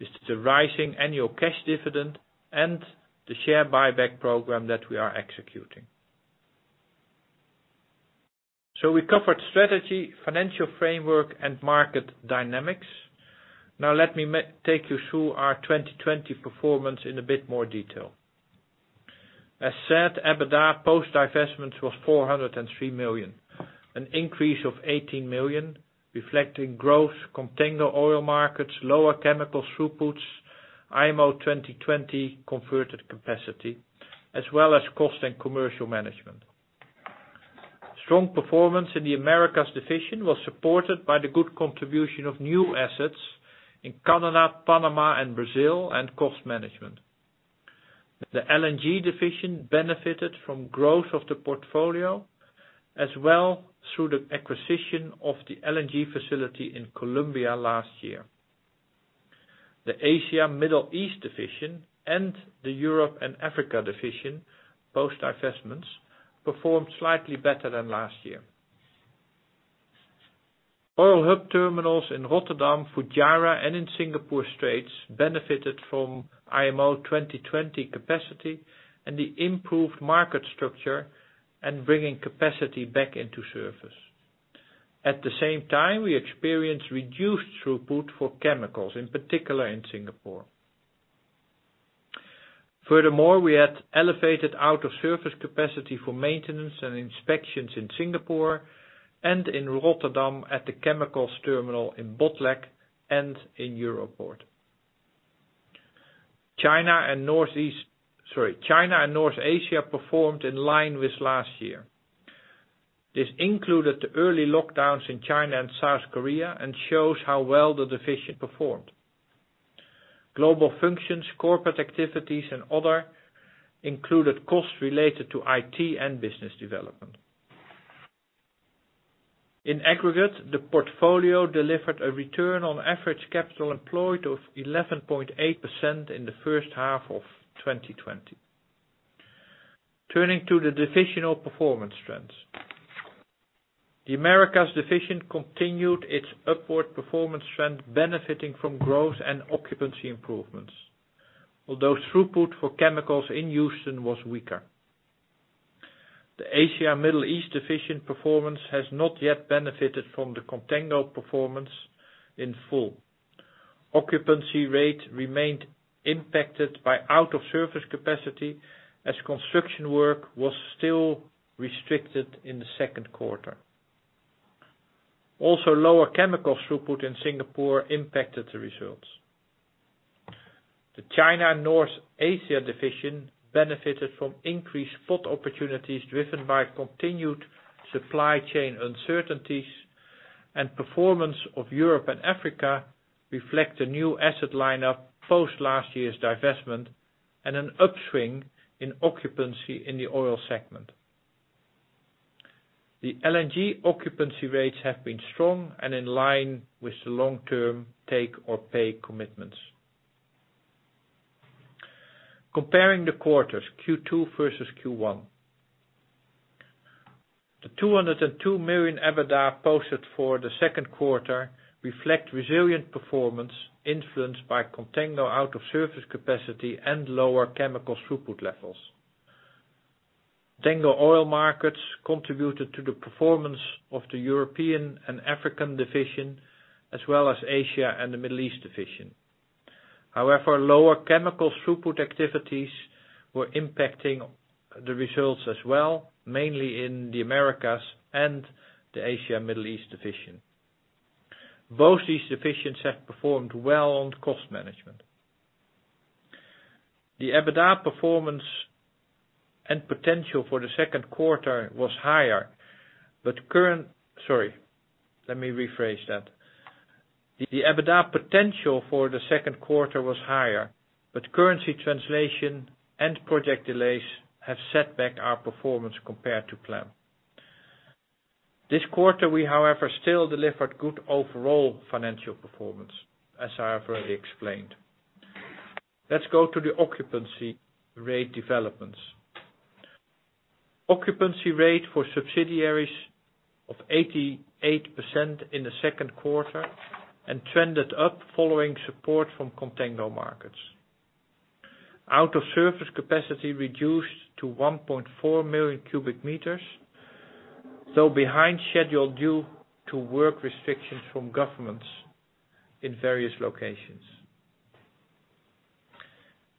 This is a rising annual cash dividend and the share buyback program that we are executing. We covered strategy, financial framework, and market dynamics. Now let me take you through our 2020 performance in a bit more detail. As said, EBITDA post divestments was 403 million, an increase of 18 million, reflecting growth, contango oil markets, lower chemical throughputs, IMO 2020 converted capacity, as well as cost and commercial management. Strong performance in the Americas division was supported by the good contribution of new assets in Canada, Panama, and Brazil and cost management. The LNG division benefited from growth of the portfolio as well through the acquisition of the LNG facility in Colombia last year. The Asia Middle East division and the Europe and Africa division, post divestments, performed slightly better than last year. Oil hub terminals in Rotterdam, Fujairah, and in Singapore Straits benefited from IMO 2020 capacity and the improved market structure and bringing capacity back into service. At the same time, we experienced reduced throughput for chemicals, in particular in Singapore. Furthermore, we had elevated out-of-service capacity for maintenance and inspections in Singapore and in Rotterdam at the chemicals terminal in Botlek and in Europoort. China and North Asia performed in line with last year. This included the early lockdowns in China and South Korea and shows how well the division performed. Global functions, corporate activities, and other included costs related to IT and business development. In aggregate, the portfolio delivered a return on average capital employed of 11.8% in the first half of 2020. Turning to the divisional performance trends. The Americas division continued its upward performance trend benefiting from growth and occupancy improvements. Although throughput for chemicals in Houston was weaker. The Asia Middle East division performance has not yet benefited from the contango performance in full. Occupancy rate remained impacted by out-of-service capacity as construction work was still restricted in the second quarter. Also, lower chemical throughput in Singapore impacted the results. The China North Asia division benefited from increased spot opportunities driven by continued supply chain uncertainties and performance of Europe and Africa reflect a new asset lineup post last year's divestment and an upswing in occupancy in the oil segment. The LNG occupancy rates have been strong and in line with the long-term take-or-pay commitments. Comparing the quarters, Q2 versus Q1. The 202 million EBITDA posted for the second quarter reflect resilient performance influenced by contango out-of-service capacity and lower chemical throughput levels. Contango oil markets contributed to the performance of the European and African division, as well as Asia and the Middle East division. Lower chemical throughput activities were impacting the results as well, mainly in the Americas and the Asia Middle East division. Both these divisions have performed well on cost management. The EBITDA potential for the second quarter was higher. Currency translation and project delays have set back our performance compared to plan. This quarter, we, however, still delivered good overall financial performance, as I have already explained. Let's go to the occupancy rate developments. Occupancy rate for subsidiaries of 88% in the second quarter and trended up following support from contango markets. Out-of-service capacity reduced to 1.4 million cubic meters, though behind schedule due to work restrictions from governments in various locations.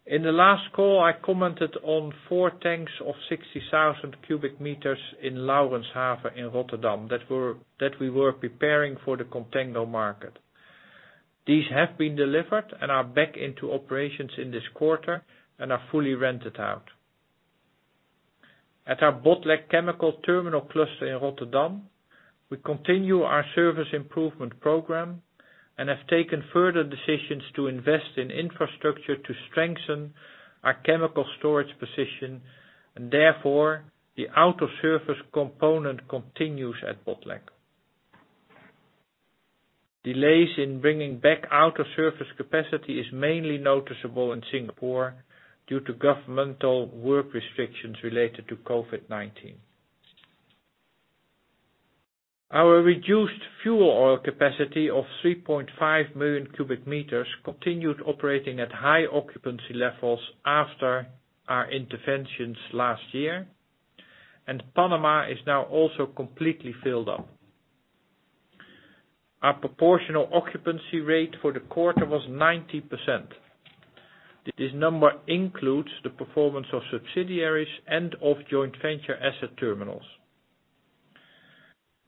In the last call, I commented on four tanks of 60,000 cubic meters in Laurenshaven in Rotterdam that we were preparing for the contango market. These have been delivered and are back into operations in this quarter and are fully rented out. At our Botlek chemical terminal cluster in Rotterdam, we continue our service improvement program and have taken further decisions to invest in infrastructure to strengthen our chemical storage position. Therefore, the out-of-service component continues at Botlek. Delays in bringing back out-of-service capacity is mainly noticeable in Singapore due to governmental work restrictions related to COVID-19. Our reduced fuel oil capacity of 3.5 million cubic meters continued operating at high occupancy levels after our interventions last year. Panama is now also completely filled up. Our proportional occupancy rate for the quarter was 90%. This number includes the performance of subsidiaries and of joint venture asset terminals.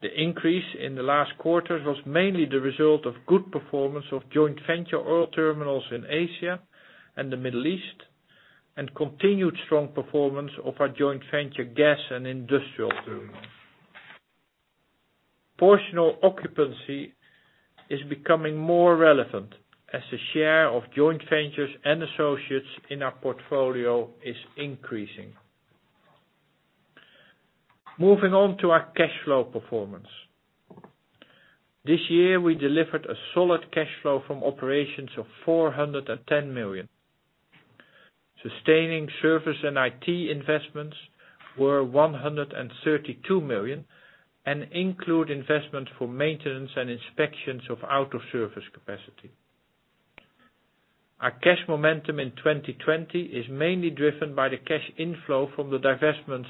The increase in the last quarter was mainly the result of good performance of joint venture oil terminals in Asia and the Middle East, continued strong performance of our joint venture gas and industrial terminals. Proportional occupancy is becoming more relevant as the share of joint ventures and associates in our portfolio is increasing. Moving on to our cash flow performance. This year, we delivered a solid cash flow from operations of 410 million. Sustaining service and IT investments were 132 million and include investment for maintenance and inspections of out-of-service capacity. Our cash momentum in 2020 is mainly driven by the cash inflow from the divestments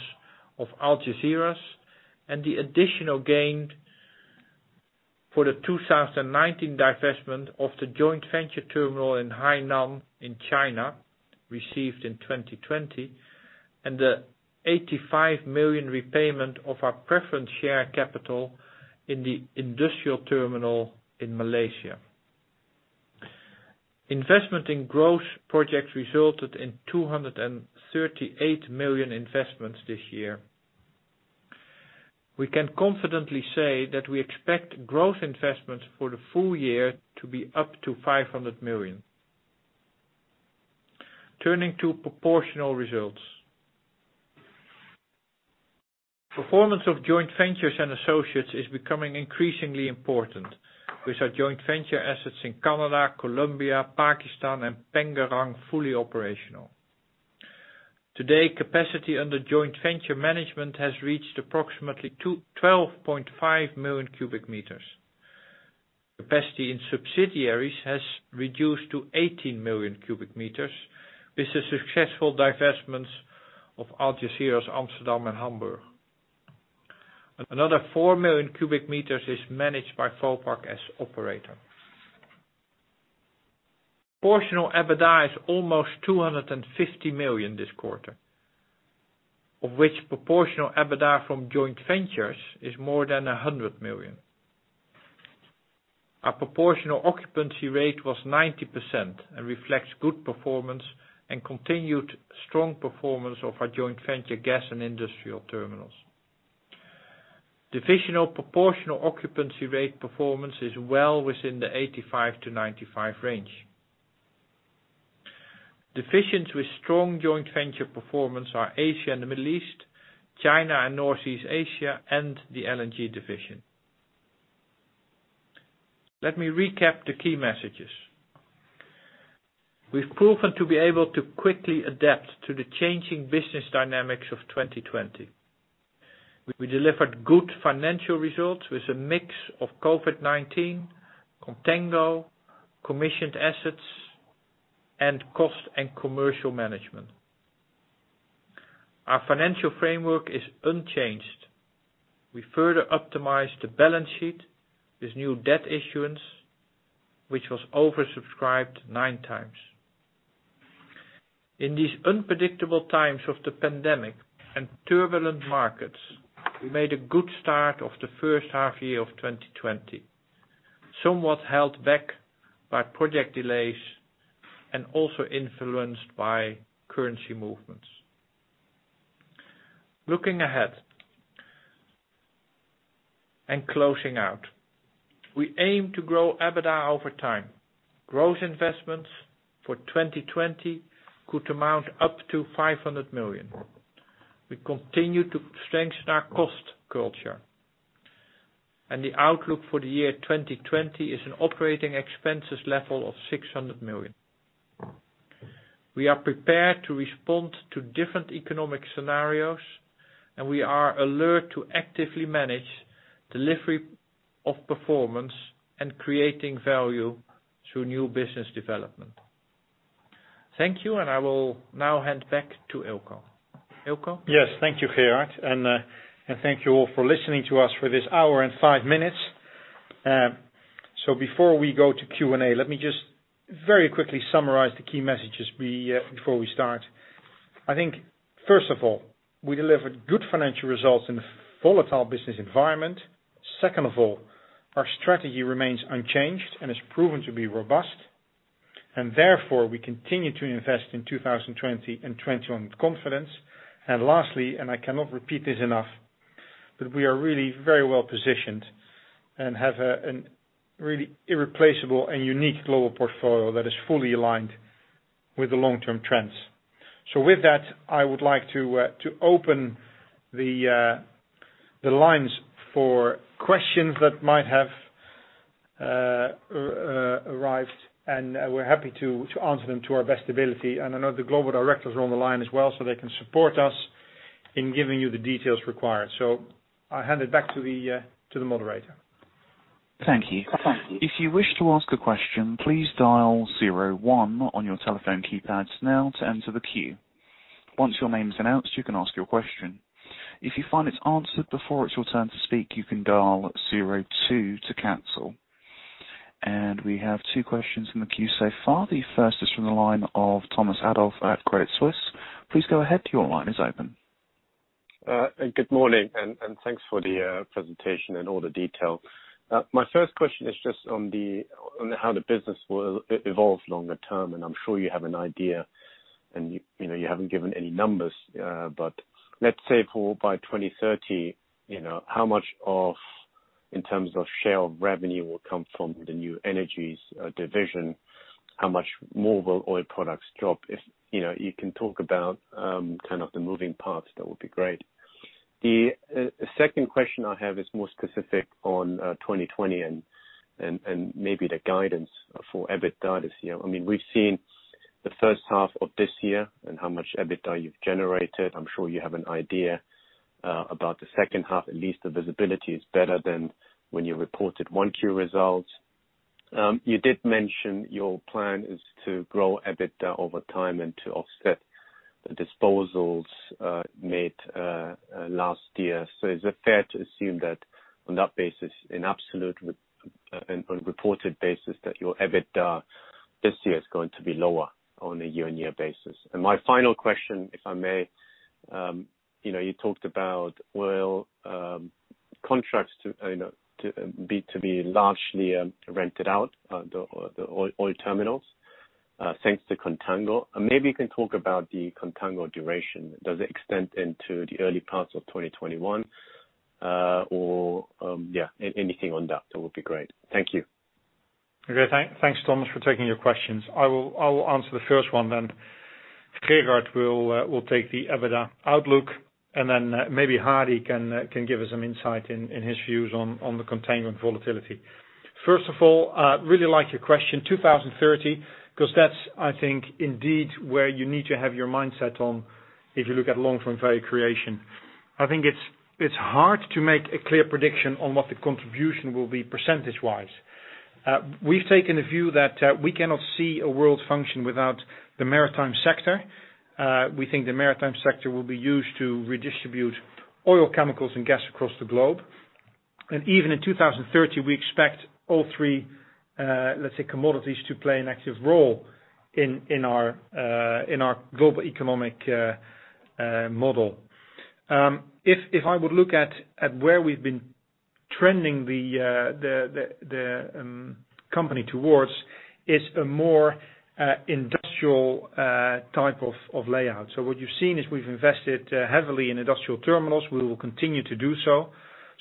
of Algeciras and the additional gain for the 2019 divestment of the joint venture terminal in Hainan in China, received in 2020, and the 85 million repayment of our preference share capital in the industrial terminal in Malaysia. Investment in growth projects resulted in 238 million investments this year. We can confidently say that we expect growth investments for the full year to be up to 500 million. Turning to proportional results. Performance of joint ventures and associates is becoming increasingly important with our joint venture assets in Canada, Colombia, Pakistan, and Pengerang fully operational. Today, capacity under joint venture management has reached approximately to 12.5 million cubic meters. Capacity in subsidiaries has reduced to 18 million cubic meters with the successful divestments of Algeciras, Amsterdam, and Hamburg. Another 4 million cubic meters is managed by Vopak as operator. Proportional EBITDA is almost 250 million this quarter, of which proportional EBITDA from joint ventures is more than 100 million. Our proportional occupancy rate was 90% and reflects good performance and continued strong performance of our joint venture gas and industrial terminals. Divisional proportional occupancy rate performance is well within the 85%-95% range. Divisions with strong joint venture performance are Asia and the Middle East, China and Northeast Asia, and the LNG division. Let me recap the key messages. We've proven to be able to quickly adapt to the changing business dynamics of 2020. We delivered good financial results with a mix of COVID-19, contango, commissioned assets, and cost and commercial management. Our financial framework is unchanged. We further optimized the balance sheet with new debt issuance, which was oversubscribed nine times. In these unpredictable times of the pandemic and turbulent markets, we made a good start of the first half year of 2020, somewhat held back by project delays and also influenced by currency movements. Looking ahead and closing out, we aim to grow EBITDA over time. Growth investments for 2020 could amount up to 500 million. We continue to strengthen our cost culture. The outlook for the year 2020 is an operating expenses level of 600 million. We are prepared to respond to different economic scenarios. We are alert to actively manage delivery of performance and creating value through new business development. Thank you. I will now hand back to Eelco. Eelco? Yes. Thank you, Gerard, and thank you all for listening to us for this hour and five minutes. Before we go to Q&A, let me just very quickly summarize the key messages before we start. I think, first of all, we delivered good financial results in a volatile business environment. Second of all, our strategy remains unchanged and has proven to be robust, and therefore we continue to invest in 2020 and 2021 with confidence. Lastly, and I cannot repeat this enough, but we are really very well positioned and have a really irreplaceable and unique global portfolio that is fully aligned with the long-term trends. With that, I would like to open the lines for questions that might have arrived, and we're happy to answer them to our best ability. I know the global directors are on the line as well. They can support us in giving you the details required. I hand it back to the moderator. Thank you. If you wish to ask a question, please dial zero one on your telephone keypads now to enter the queue. Once your name is announced, you can ask your question. If you find it's answered before it's your turn to speak, you can dial zero two to cancel. We have two questions in the queue so far. The first is from the line of Thomas Adolff at Credit Suisse. Please go ahead. Your line is open. Good morning. Thanks for the presentation and all the detail. My first question is just on how the business will evolve longer term, and I'm sure you have an idea, and you haven't given any numbers. Let's say for by 2030, how much of, in terms of share of revenue, will come from the new energies division? How much more will oil products drop? If you can talk about the moving parts, that would be great. The second question I have is more specific on 2020 and maybe the guidance for EBITDA this year. We've seen the first half of this year and how much EBITDA you've generated. I'm sure you have an idea about the second half, at least the visibility is better than when you reported 1Q results. You did mention your plan is to grow EBITDA over time and to offset the disposals made last year. Is it fair to assume that on that basis, in absolute and on reported basis, that your EBITDA this year is going to be lower on a year-on-year basis? My final question, if I may. You talked about oil contracts to be largely rented out, the oil terminals, thanks to contango. Maybe you can talk about the contango duration. Does it extend into the early parts of 2021? Anything on that would be great. Thank you. Okay. Thanks, Thomas, for taking your questions. I will answer the first one, then Gerard will take the EBITDA outlook, and then maybe Hari can give us some insight in his views on the contango volatility. First of all, really like your question 2030, because that's, I think, indeed where you need to have your mindset on if you look at long-term value creation. I think it's hard to make a clear prediction on what the contribution will be percentage-wise. We've taken a view that we cannot see a world function without the maritime sector. We think the maritime sector will be used to redistribute oil chemicals and gas across the globe. Even in 2030, we expect all three, let's say, commodities to play an active role in our global economic model. If I would look at where we've been trending the company towards, it's a more industrial type of layout. What you've seen is we've invested heavily in industrial terminals, we will continue to do so.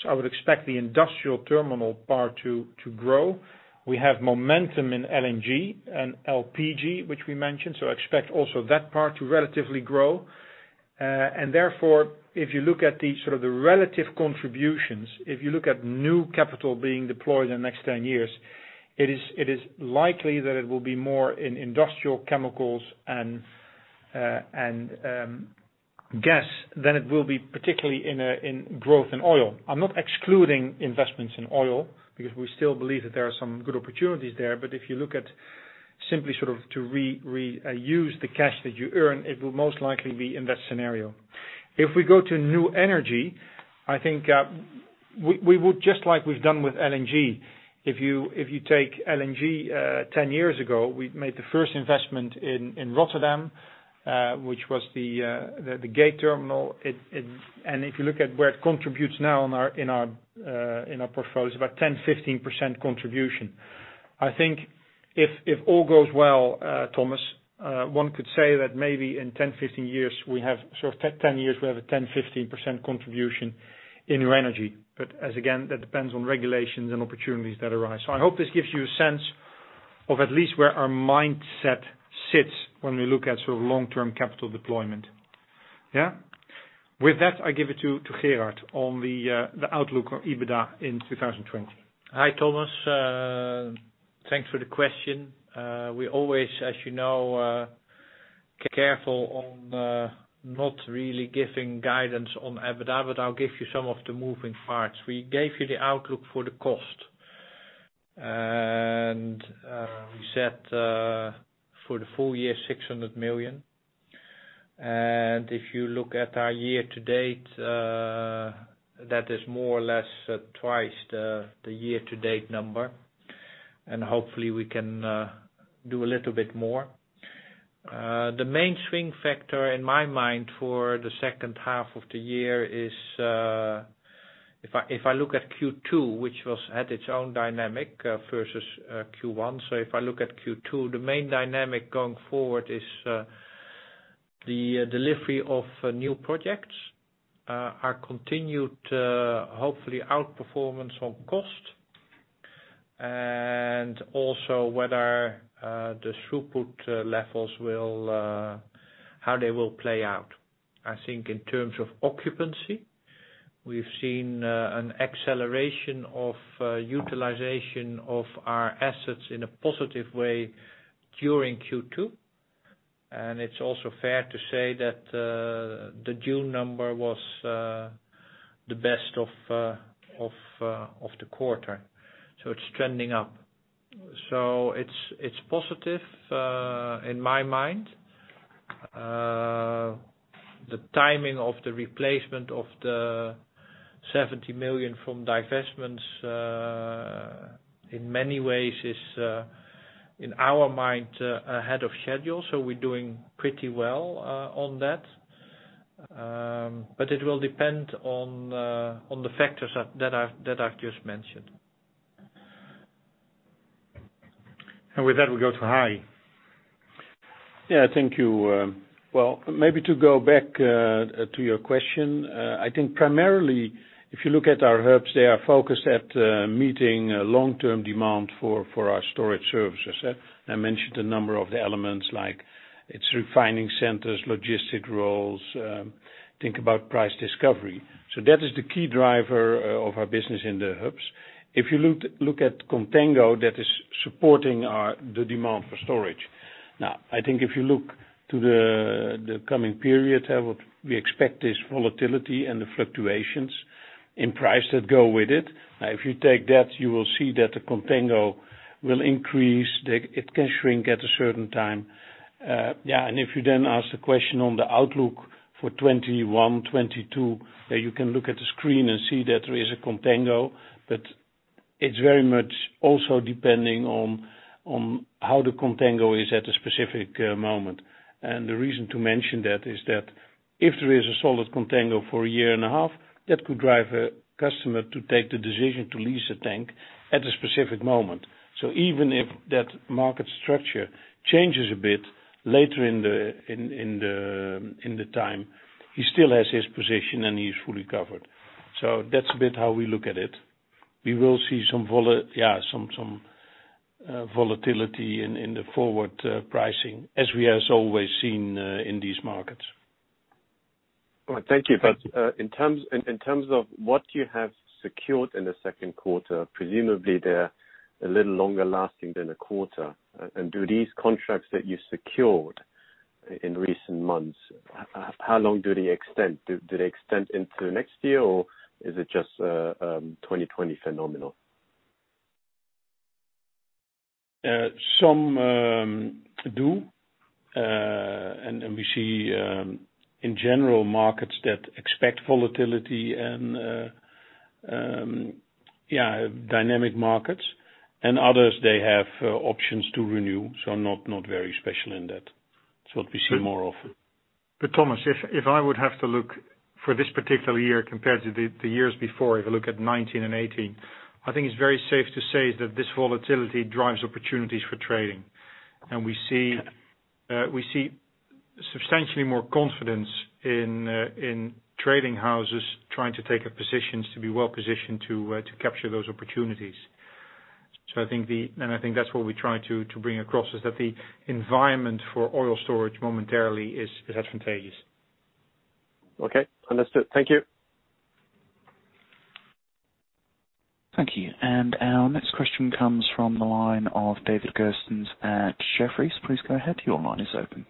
I would expect the industrial terminal part to grow. We have momentum in LNG and LPG, which we mentioned, so expect also that part to relatively grow. Therefore, if you look at the relative contributions, if you look at new capital being deployed in the next 10 years, it is likely that it will be more in industrial chemicals and gas than it will be particularly in growth in oil. I'm not excluding investments in oil because we still believe that there are some good opportunities there. If you look at simply to reuse the cash that you earn, it will most likely be in that scenario. If we go to new energy, I think, just like we've done with LNG. If you take LNG, 10 years ago, we made the first investment in Rotterdam, which was the Gate terminal. If you look at where it contributes now in our portfolio, it's about 10%-15% contribution. I think if all goes well, Thomas, one could say that maybe in 10-15 years, we have a 10%-15% contribution in new energy. Again, that depends on regulations and opportunities that arise. I hope this gives you a sense of at least where our mindset sits when we look at long-term capital deployment. With that, I give it to Gerard on the outlook of EBITDA in 2020. Hi, Thomas. Thanks for the question. We always, as you know, careful on not really giving guidance on EBITDA, but I'll give you some of the moving parts. We gave you the outlook for the cost, and we said for the full year, 600 million. If you look at our year-to-date, that is more or less twice the year-to-date number. Hopefully, we can do a little bit more. The main swing factor in my mind for the second half of the year is, if I look at Q2, which had its own dynamic versus Q1. If I look at Q2, the main dynamic going forward is the delivery of new projects, our continued, hopefully, outperformance on cost, and also whether the throughput levels will play out. I think in terms of occupancy, we've seen an acceleration of utilization of our assets in a positive way during Q2. It's also fair to say that the June number was the best of the quarter. It's trending up. It's positive in my mind. The timing of the replacement of the 70 million from divestments in many ways is, in our mind, ahead of schedule, so we're doing pretty well on that. It will depend on the factors that I've just mentioned. With that, we go to Hari. Yeah. Thank you. Well, maybe to go back to your question, I think primarily, if you look at our hubs, they are focused at meeting long-term demand for our storage services. I mentioned a number of the elements like its refining centers, logistic roles, think about price discovery. That is the key driver of our business in the hubs. If you look at contango, that is supporting the demand for storage. I think if you look to the coming period, what we expect is volatility and the fluctuations in price that go with it. If you take that, you will see that the contango will increase. It can shrink at a certain time. If you ask the question on the outlook for 2021, 2022, you can look at the screen and see that there is a contango, but it's very much also depending on how the contango is at a specific moment. The reason to mention that is that if there is a solid contango for a year and a half, that could drive a customer to take the decision to lease a tank at a specific moment. Even if that market structure changes a bit later in the time, he still has his position, and he is fully covered. That's a bit how we look at it. We will see some volatility in the forward pricing, as we has always seen in these markets. All right. Thank you. In terms of what you have secured in the second quarter, presumably they're a little longer lasting than a quarter. Do these contracts that you secured in recent months, how long do they extend? Do they extend into next year, or is it just a 2020 phenomenon? Some do. We see, in general, markets that expect volatility and dynamic markets. Others, they have options to renew, so not very special in that. It's what we see more of. Thomas, if I would have to look for this particular year compared to the years before, if you look at 2019 and 2018, I think it's very safe to say that this volatility drives opportunities for trading. We see substantially more confidence in trading houses trying to take positions to be well positioned to capture those opportunities. I think that's what we try to bring across, is that the environment for oil storage momentarily is advantageous. Okay. Understood. Thank you. Thank you. Our next question comes from the line of David Kerstens at Jefferies. Please go ahead. Your line is open.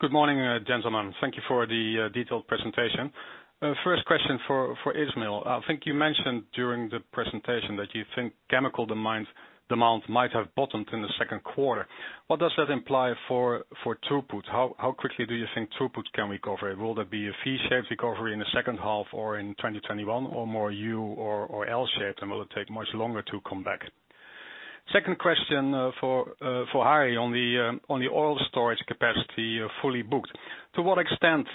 Good morning, gentlemen. Thank you for the detailed presentation. First question for Ismail. I think you mentioned during the presentation that you think chemical demand might have bottomed in the second quarter. What does that imply for throughput? How quickly do you think throughput can recover? Will there be a V shape recovery in the second half or in 2021 or more U or L shaped, and will it take much longer to come back? Second question for Hari on the oil storage capacity fully booked. To what extent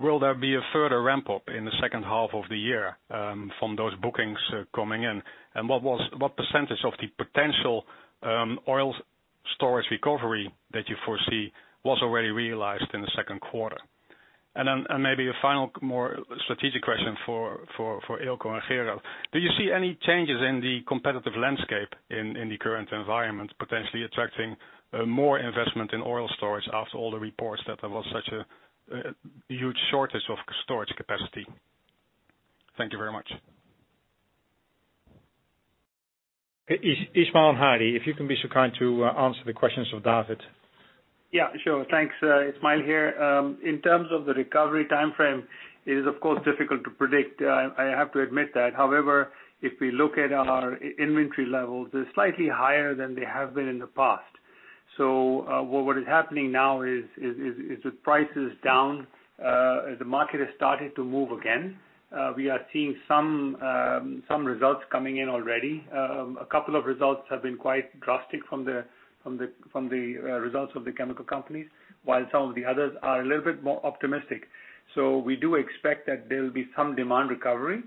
will there be a further ramp-up in the second half of the year from those bookings coming in? What percentage of the potential oil storage recovery that you foresee was already realized in the second quarter? Maybe a final more strategic question for Eelco and Gerard. Do you see any changes in the competitive landscape in the current environment, potentially attracting more investment in oil storage after all the reports that there was such a huge shortage of storage capacity? Thank you very much. Ismail and Hari, if you can be so kind to answer the questions of David. Sure. Thanks. Ismail here. In terms of the recovery timeframe, it is of course difficult to predict, I have to admit that. If we look at our inventory levels, they're slightly higher than they have been in the past. What is happening now is, with prices down, the market has started to move again. We are seeing some results coming in already. A couple of results have been quite drastic from the results of the chemical companies, while some of the others are a little bit more optimistic. We do expect that there'll be some demand recovery.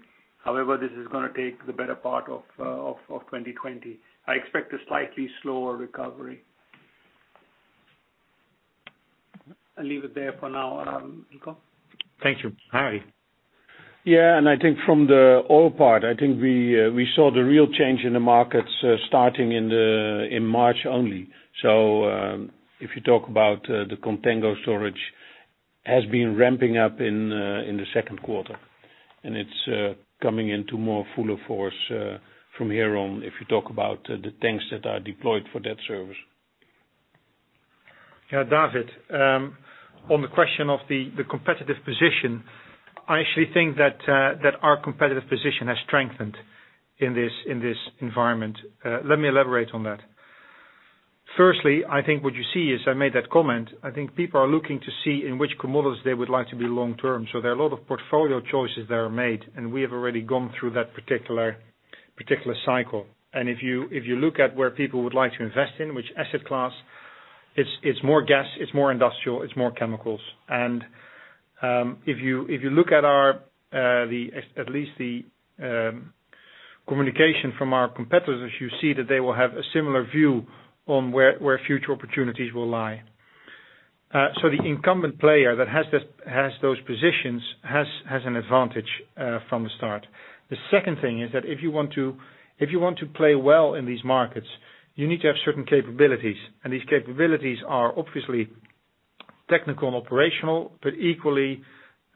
This is going to take the better part of 2020. I expect a slightly slower recovery. I'll leave it there for now, Eelco. Thank you. Hari. Yeah. From the oil part, I think we saw the real change in the markets starting in March only. If you talk about the contango storage has been ramping up in the second quarter. It's coming into more fuller force from here on, if you talk about the tanks that are deployed for that service. Yeah, David, on the question of the competitive position, I actually think that our competitive position has strengthened in this environment. Let me elaborate on that. Firstly, I think what you see is, I made that comment, I think people are looking to see in which commodities they would like to be long-term. There are a lot of portfolio choices that are made, and we have already gone through that particular cycle. If you look at where people would like to invest in, which asset class, it's more gas, it's more industrial, it's more chemicals. If you look at least the communication from our competitors, you see that they will have a similar view on where future opportunities will lie. The incumbent player that has those positions has an advantage from the start. The second thing is that if you want to play well in these markets, you need to have certain capabilities, and these capabilities are obviously technical and operational, but equally,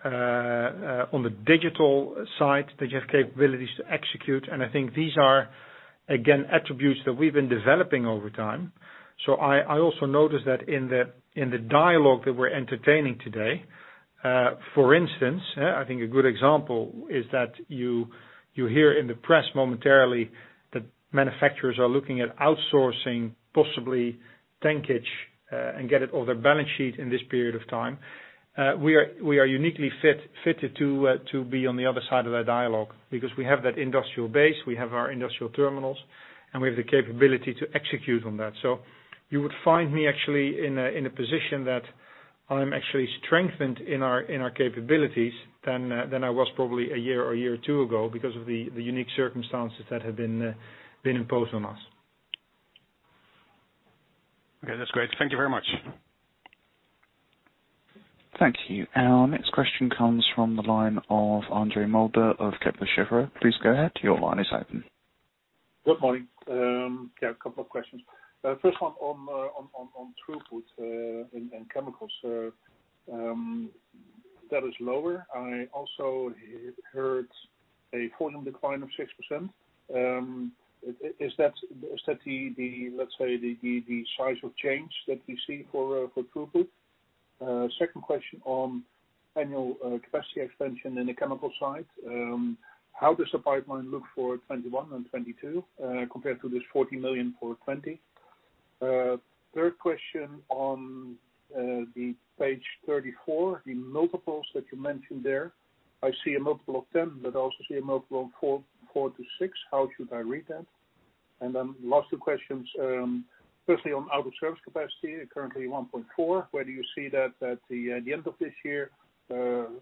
on the digital side, that you have capabilities to execute, and I think these are, again, attributes that we've been developing over time. I also noticed that in the dialogue that we're entertaining today, for instance, I think a good example is that you hear in the press momentarily that manufacturers are looking at outsourcing possibly tankage, and get it off their balance sheet in this period of time. We are uniquely fitted to be on the other side of that dialogue because we have that industrial base, we have our industrial terminals, and we have the capability to execute on that. You would find me actually in a position that I'm actually strengthened in our capabilities than I was probably a year or two ago because of the unique circumstances that have been imposed on us. Okay. That's great. Thank you very much. Thank you. Our next question comes from the line of Andre Mulder of Kepler Cheuvreux. Please go ahead. Your line is open. Good morning. Yeah, a couple of questions. First one on throughput and chemicals. That is lower. I also heard a volume decline of 6%. Is that, let's say, the size of change that we see for throughput? Second question on annual capacity expansion in the chemical side. How does the pipeline look for 2021 and 2022 compared to this 40 million for 2020? Third question on the page 34, the multiples that you mentioned there. I see a multiple of 10, but I also see a multiple of four to six. Lots of questions, firstly, on out-of-service capacity, currently 1.4. Where do you see that at the end of this year?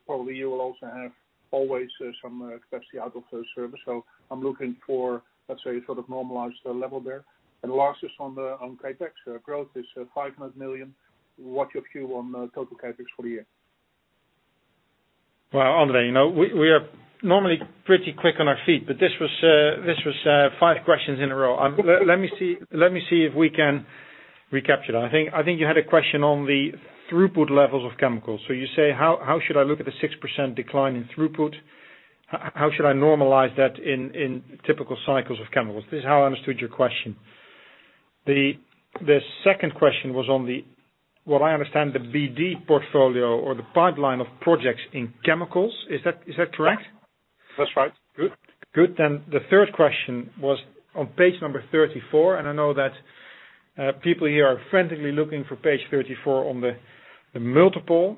Probably you will also have always some capacity out-of-service. I'm looking for, let's say, sort of normalized level there. Lastly on CapEx. Growth is 500 million. What's your view on total CapEx for the year? Well, Andre, we are normally pretty quick on our feet, this was five questions in a row. Let me see if we can recapture that. I think you had a question on the throughput levels of chemicals. You say, "How should I look at the 6% decline in throughput? How should I normalize that in typical cycles of chemicals?" This is how I understood your question. The second question was on the, what I understand, the BD portfolio or the pipeline of projects in chemicals. Is that correct? That's right. The third question was on page number 34, and I know that people here are frantically looking for page 34 on the multiple.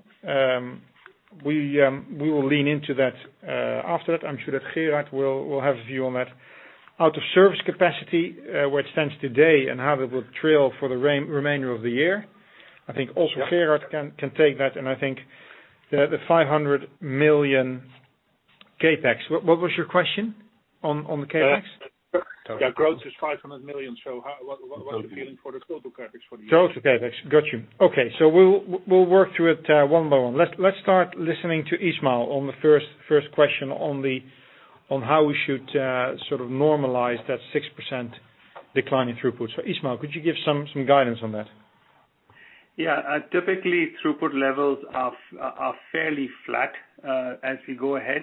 We will lean into that. After that, I'm sure that Gerard will have a view on that. Out-of-service capacity, where it stands today and how that will trail for the remainder of the year. I think also Gerard can take that, and I think the 500 million CapEx. What was your question on the CapEx? Yeah, growth is 500 million. What is the feeling for the total CapEx for the year? Total CapEx, got you. Okay. We'll work through it one by one. Let's start listening to Ismail on the first question on how we should sort of normalize that 6% decline in throughput. Ismail, could you give some guidance on that? Yeah. Typically, throughput levels are fairly flat as we go ahead.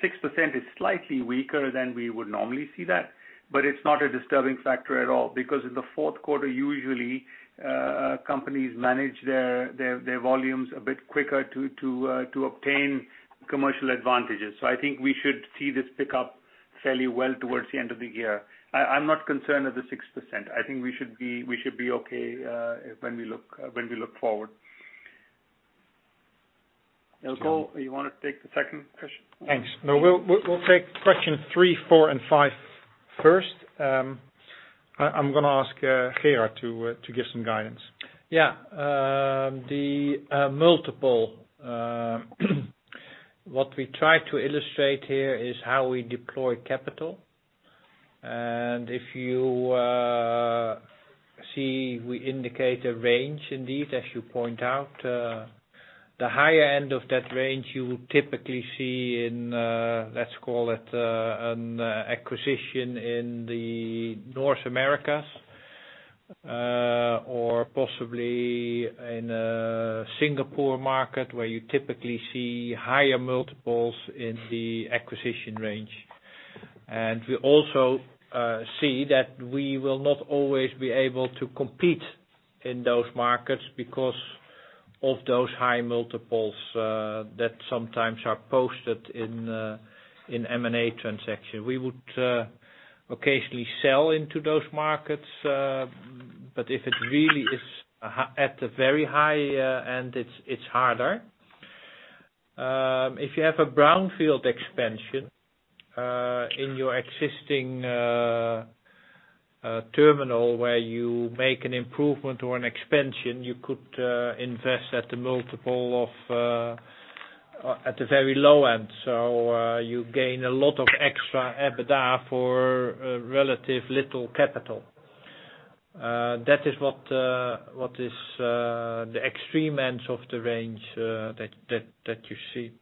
Six percent is slightly weaker than we would normally see that, but it's not a disturbing factor at all because in the fourth quarter usually, companies manage their volumes a bit quicker to obtain commercial advantages. I think we should see this pick up fairly well towards the end of the year. I'm not concerned at the 6%. I think we should be okay when we look forward. Graaf, you want to take the second question? Thanks. No, we'll take question three, four, and five first. I'm going to ask Gerard to give some guidance. The multiple, what we try to illustrate here is how we deploy capital. If you see, we indicate a range indeed, as you point out. The higher end of that range you would typically see in, let's call it, an acquisition in the North Americas, or possibly in a Singapore market where you typically see higher multiples in the acquisition range. We also see that we will not always be able to compete in those markets because of those high multiples that sometimes are posted in M&A transactions. We would occasionally sell into those markets, if it really is at the very high end, it's harder. If you have a brownfield expansion in your existing terminal where you make an improvement or an expansion, you could invest at the multiple of, at the very low end. You gain a lot of extra EBITDA for relative little capital. That is what is the extreme ends of the range that you see.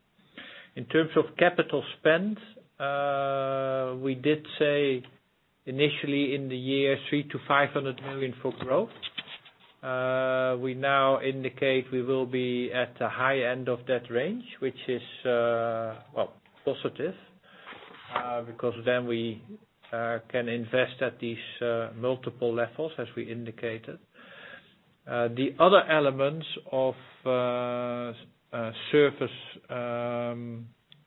In terms of capital spend, we did say initially in the year, 3 million-500 million for growth. We now indicate we will be at the high end of that range, which is positive, because then we can invest at these multiple levels, as we indicated. The other elements of surface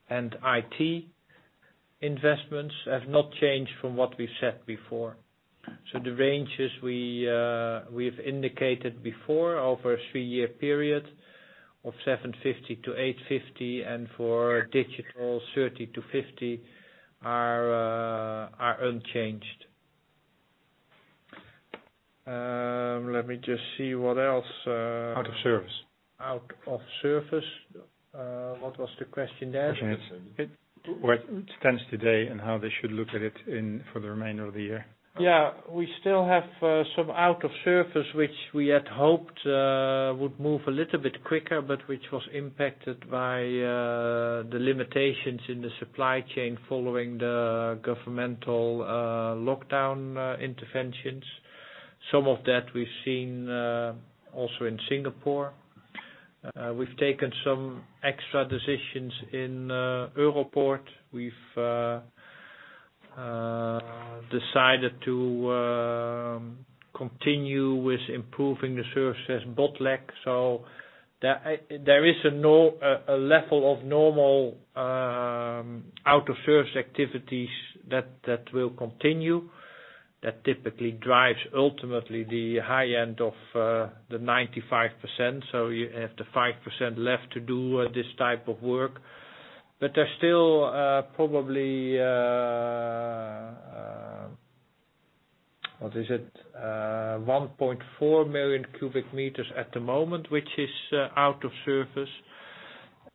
and IT investments have not changed from what we've said before. The ranges we've indicated before, over a three-year period of 750 million-850 million and for digital, 30 million-50 million, are unchanged. Let me just see what else. Out of service. Out-of-service. What was the question there? Where it stands today and how they should look at it for the remainder of the year. We still have some out of service, which we had hoped would move a little bit quicker, but which was impacted by the limitations in the supply chain following the governmental lockdown interventions. Some of that we've seen also in Singapore. We've taken some extra decisions in Europoort. We've decided to continue with improving the services bottleneck. There is a level of normal out of service activities that will continue. That typically drives, ultimately, the high end of the 95%. You have the 5% left to do this type of work. There's still probably, what is it? 1.4 million cubic meters at the moment, which is out of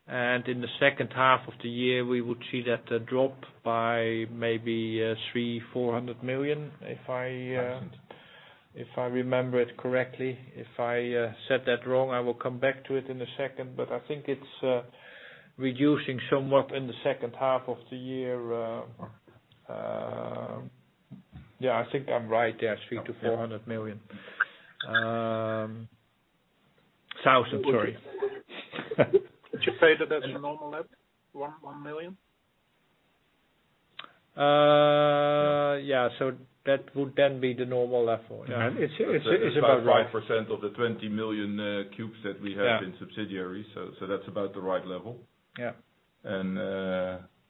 service. In the second half of the year, we would see that drop by maybe EEUR 300 million, EUR 400 million. If I remember it correctly. If I said that wrong, I will come back to it in a second. I think it's reducing somewhat in the second half of the year. Yeah, I think I'm right there, 300 thousand to 400 thousand. Would you say that that's the normal level, 1 million? Yeah. That would then be the normal level. It's about right. It's about 5% of the 20 million cubes that we have in subsidiaries. That's about the right level. Yeah.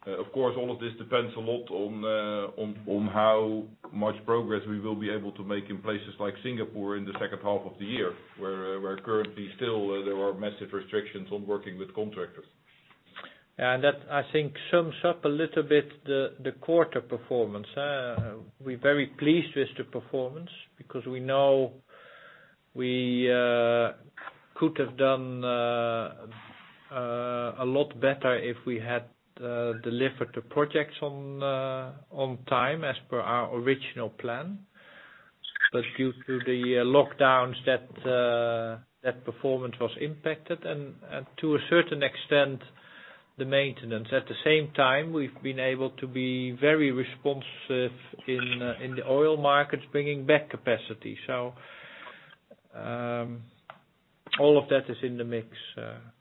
Of course, all of this depends a lot on how much progress we will be able to make in places like Singapore in the second half of the year, where currently still, there are massive restrictions on working with contractors. That, I think, sums up a little bit the quarter performance. We're very pleased with the performance because we know we could have done a lot better if we had delivered the projects on time as per our original plan. Due to the lockdowns, that performance was impacted and to a certain extent, the maintenance. At the same time, we've been able to be very responsive in the oil markets, bringing back capacity. All of that is in the mix.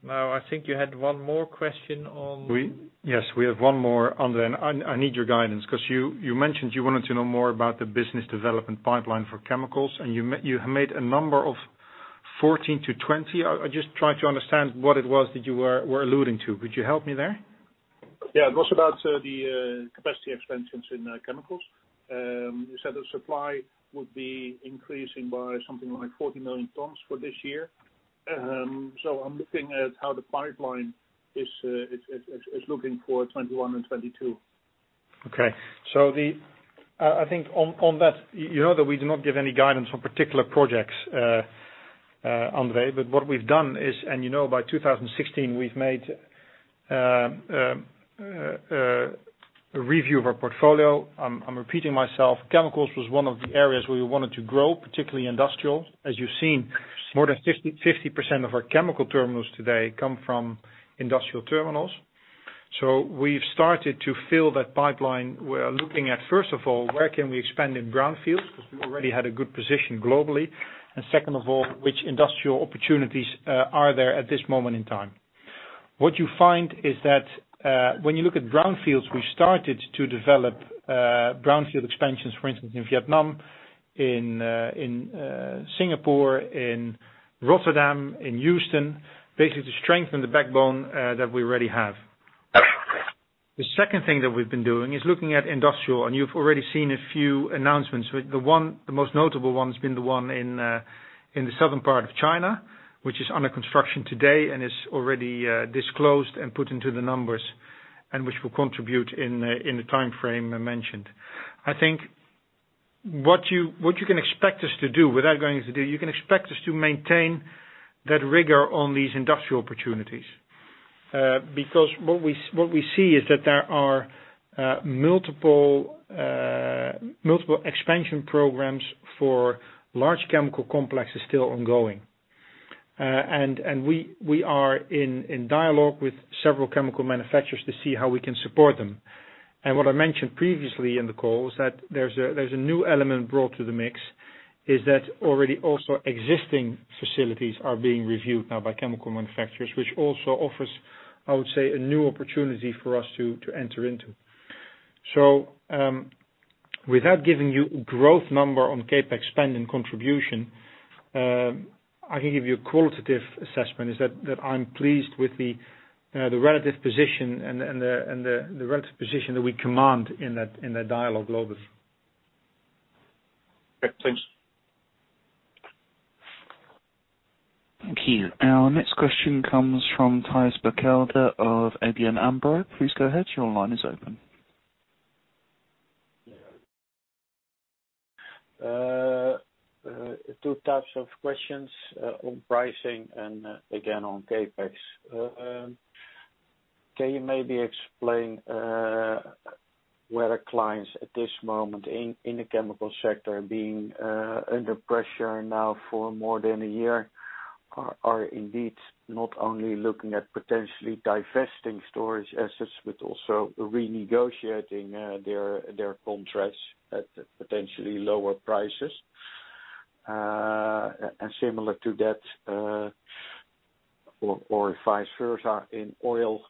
I think you had one more question on- Yes, we have one more, Andre. I need your guidance because you mentioned you wanted to know more about the business development pipeline for chemicals, and you made a number of 14-20. I just try to understand what it was that you were alluding to. Could you help me there? It was about the capacity expansions in chemicals. You said that supply would be increasing by something like 40 million tons for this year. I'm looking at how the pipeline is looking for 2021 and 2022. I think on that, you know that we do not give any guidance on particular projects, Andre. What we've done is, and you know by 2016, we've made a review of our portfolio. I'm repeating myself. Chemicals was one of the areas where we wanted to grow, particularly industrial. As you've seen, more than 50% of our chemical terminals today come from industrial terminals. We've started to fill that pipeline. We're looking at, first of all, where can we expand in brownfields, because we already had a good position globally. Second of all, which industrial opportunities are there at this moment in time? What you find is that when you look at brownfields, we started to develop brownfield expansions, for instance, in Vietnam, in Singapore, in Rotterdam, in Houston, basically to strengthen the backbone that we already have. The second thing that we've been doing is looking at industrial, and you've already seen a few announcements. The most notable one has been the one in the southern part of China, which is under construction today and is already disclosed and put into the numbers, and which will contribute in the timeframe mentioned. I think what you can expect us to do, without going into detail, you can expect us to maintain that rigor on these industrial opportunities. What we see is that there are multiple expansion programs for large chemical complexes still ongoing. We are in dialogue with several chemical manufacturers to see how we can support them. What I mentioned previously in the call is that there's a new element brought to the mix, is that already also existing facilities are being reviewed now by chemical manufacturers, which also offers, I would say, a new opportunity for us to enter into. Without giving you growth number on CapEx spend and contribution, I can give you a qualitative assessment, is that I'm pleased with the relative position that we command in that dialogue globally. Okay, thanks. Thank you. Our next question comes from Thijs Berkelder of ABN AMRO. Please go ahead. Your line is open. Two types of questions on pricing and again on CapEx. Can you maybe explain whether clients at this moment in the chemical sector are being under pressure now for more than a year, are indeed not only looking at potentially divesting storage assets, but also renegotiating their contracts at potentially lower prices? Similar to that, or vice versa, in oil,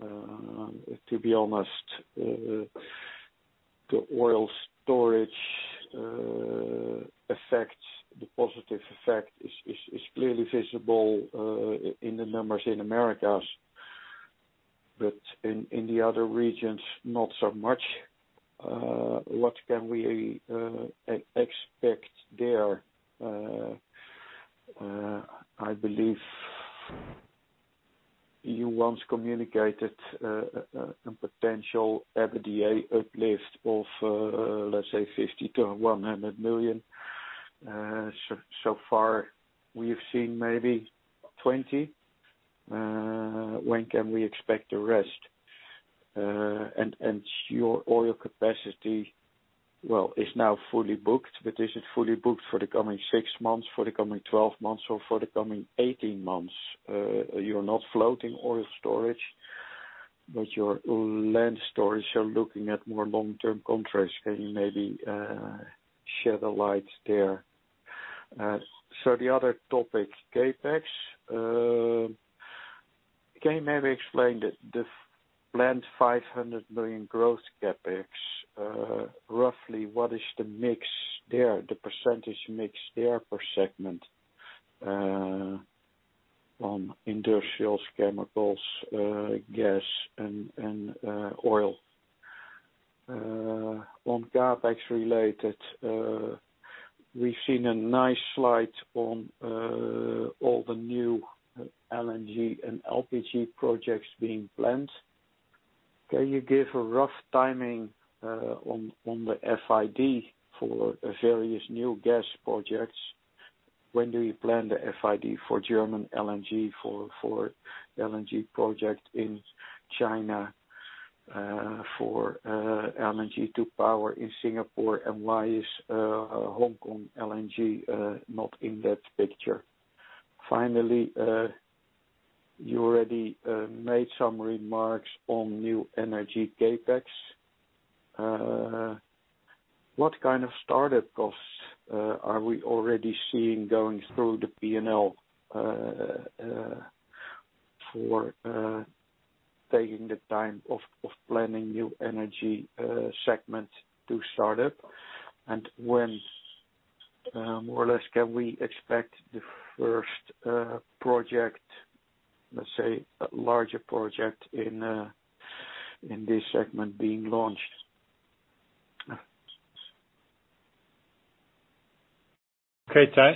to be honest, the oil storage effect, the positive effect is clearly visible in the numbers in Americas, but in the other regions, not so much. What can we expect there? I believe you once communicated a potential EBITDA uplift of, let's say, 50 million-100 million. Far, we have seen maybe 20 million. When can we expect the rest? Your oil capacity, well, it's now fully booked, but is it fully booked for the coming six months, for the coming 12 months, or for the coming 18 months? You're not floating oil storage, but your land storage are looking at more long-term contracts. Can you maybe shed a light there? The other topic, CapEx. Can you maybe explain the planned 500 million growth CapEx, roughly what is the mix there, the percentage mix there per segment on industrials, chemicals, gas, and oil? On CapEx related, we've seen a nice slide on all the new LNG and LPG projects being planned. Can you give a rough timing on the FID for various new gas projects? When do you plan the FID for German LNG, for LNG project in China, for LNG to power in Singapore, and why is Hong Kong LNG not in that picture? You already made some remarks on New Energy CapEx. What kind of startup costs are we already seeing going through the P&L, for taking the time of planning New Energy segment to start up? When, more or less, can we expect the first project, let's say, larger project in this segment being launched? Okay, Thijs.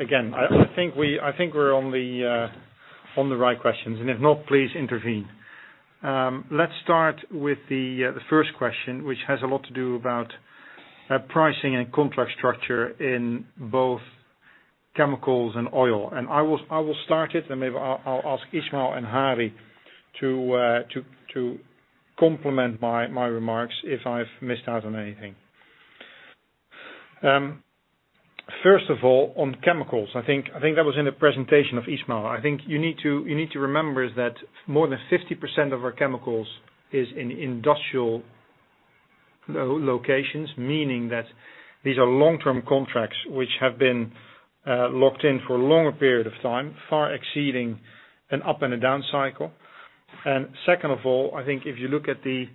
Again, I think we're on the right questions, and if not, please intervene. Let's start with the first question, which has a lot to do about pricing and contract structure in both chemicals and oil. I will start it, and maybe I'll ask Ismail and Hari to complement my remarks if I've missed out on anything. First of all, on chemicals, I think that was in the presentation of Ismail. I think you need to remember is that more than 50% of our chemicals is in industrial locations, meaning that these are long-term contracts which have been locked in for a longer period of time, far exceeding an up and a down cycle. Second of all, I think if you look at the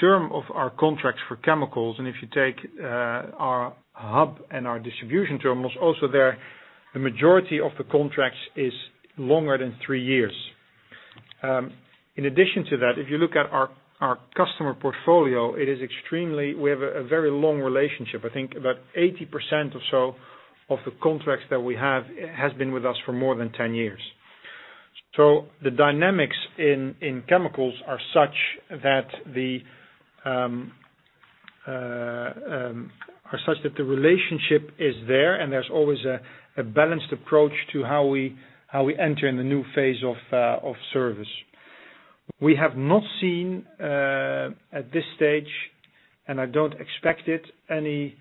term of our contracts for chemicals, and if you take our hub and our distribution terminals also there, the majority of the contracts is longer than three years. In addition to that, if you look at our customer portfolio, we have a very long relationship. I think about 80% or so of the contracts that we have has been with us for more than 10 years. The dynamics in chemicals are such that the relationship is there, and there's always a balanced approach to how we enter in the new phase of service. We have not seen, at this stage, and I don't expect it, any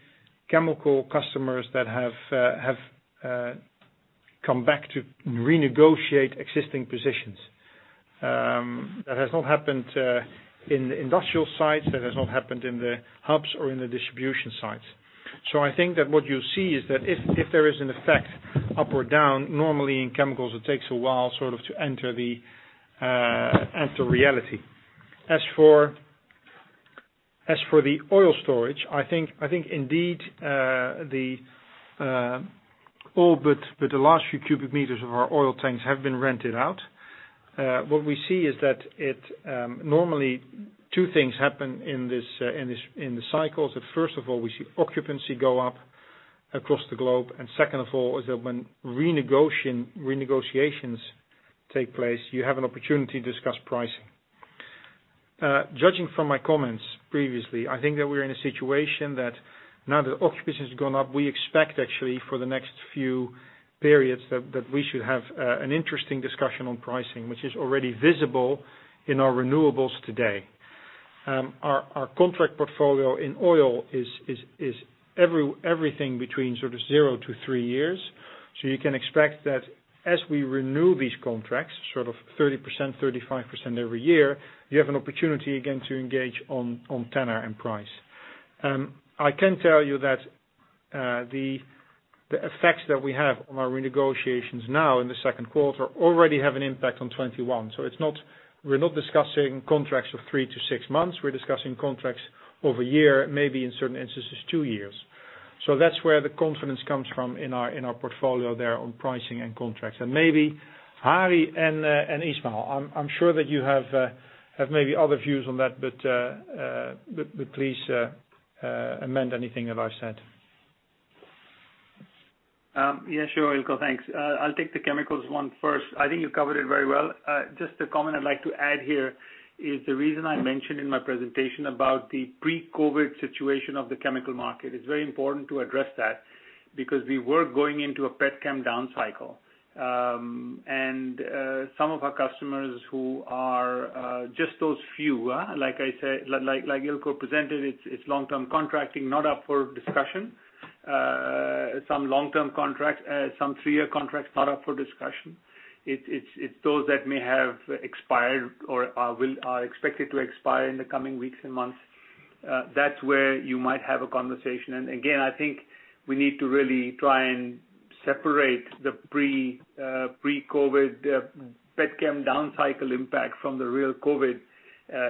chemical customers that have come back to renegotiate existing positions. That has not happened in the industrial sites, that has not happened in the hubs or in the distribution sites. I think that what you see is that if there is an effect up or down, normally in chemicals, it takes a while sort of to enter reality. As for the oil storage, I think indeed, all but the last few cubic meters of our oil tanks have been rented out. What we see is that normally two things happen in the cycles. First of all, we see occupancy go up across the globe. Second of all is that when renegotiations take place, you have an opportunity to discuss pricing. Judging from my comments previously, I think that we are in a situation that now that occupancy has gone up, we expect actually for the next few periods that we should have an interesting discussion on pricing, which is already visible in our renewals today. Our contract portfolio in oil is everything between zero to three years. You can expect that as we renew these contracts, sort of 30%, 35% every year, you have an opportunity again to engage on tenure and price. I can tell you that the effects that we have on our renegotiations now in the second quarter already have an impact on 2021. We're not discussing contracts of three to six months. We're discussing contracts over a year, maybe in certain instances, two years. That's where the confidence comes from in our portfolio there on pricing and contracts. Maybe Hari and Ismail, I'm sure that you have maybe other views on that, but please amend anything that I've said. Yeah, sure, Eelco. Thanks. I'll take the chemicals one first. I think you covered it very well. Just a comment I'd like to add here is the reason I mentioned in my presentation about the pre-COVID situation of the chemical market. It's very important to address that because we were going into a petchem down cycle. Some of our customers who are just those few, like Eelco presented, it's long-term contracting, not up for discussion. Some three-year contracts, not up for discussion. It's those that may have expired or are expected to expire in the coming weeks and months. That's where you might have a conversation. Again, I think we need to really try and separate the pre-COVID petchem down cycle impact from the real COVID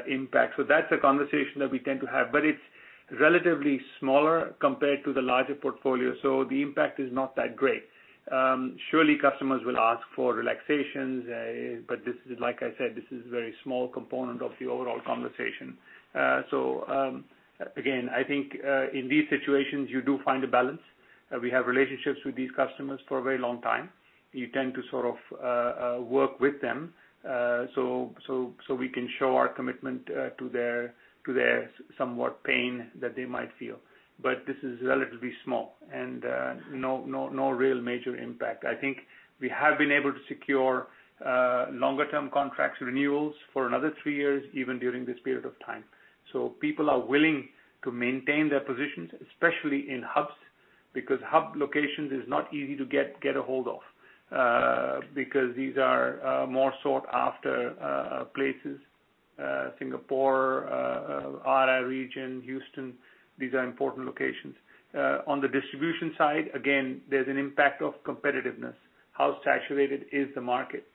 impact. That's a conversation that we tend to have, but it's relatively smaller compared to the larger portfolio, so the impact is not that great. Surely customers will ask for relaxations, but like I said, this is a very small component of the overall conversation. Again, I think, in these situations, you do find a balance. We have relationships with these customers for a very long time. You tend to sort of work with them, so we can show our commitment to their somewhat pain that they might feel. This is relatively small and no real major impact. I think we have been able to secure longer-term contracts renewals for another three years, even during this period of time. People are willing to maintain their positions, especially in hubs, because hub locations is not easy to get a hold of, because these are more sought-after places. Singapore, ARA region, Houston, these are important locations. On the distribution side, again, there's an impact of competitiveness. How saturated is the market,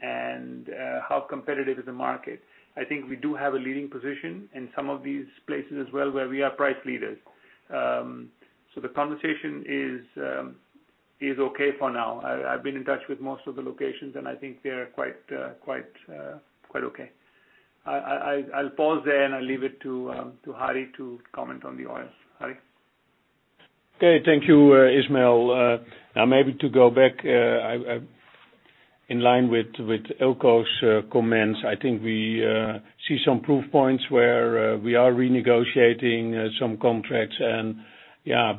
and how competitive is the market? I think we do have a leading position in some of these places as well, where we are price leaders. The conversation is okay for now. I've been in touch with most of the locations, and I think they're quite okay. I'll pause there, and I'll leave it to Hari to comment on the oil. Hari? Okay. Thank you, Ismail. Maybe to go back, in line with Eelco's comments, I think we see some proof points where we are renegotiating some contracts and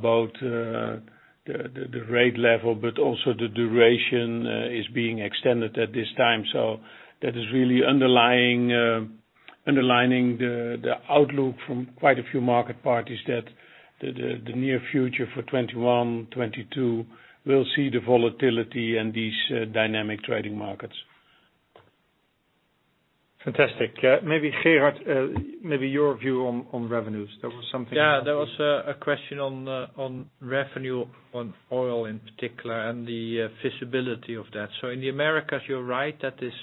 both the rate level but also the duration is being extended at this time. That is really underlining the outlook from quite a few market parties that the near future for 2021, 2022, will see the volatility in these dynamic trading markets. Fantastic. Maybe Gerard, your view on revenues. Yeah, there was a question on revenue on oil in particular and the feasibility of that. In the Americas, you're right, that is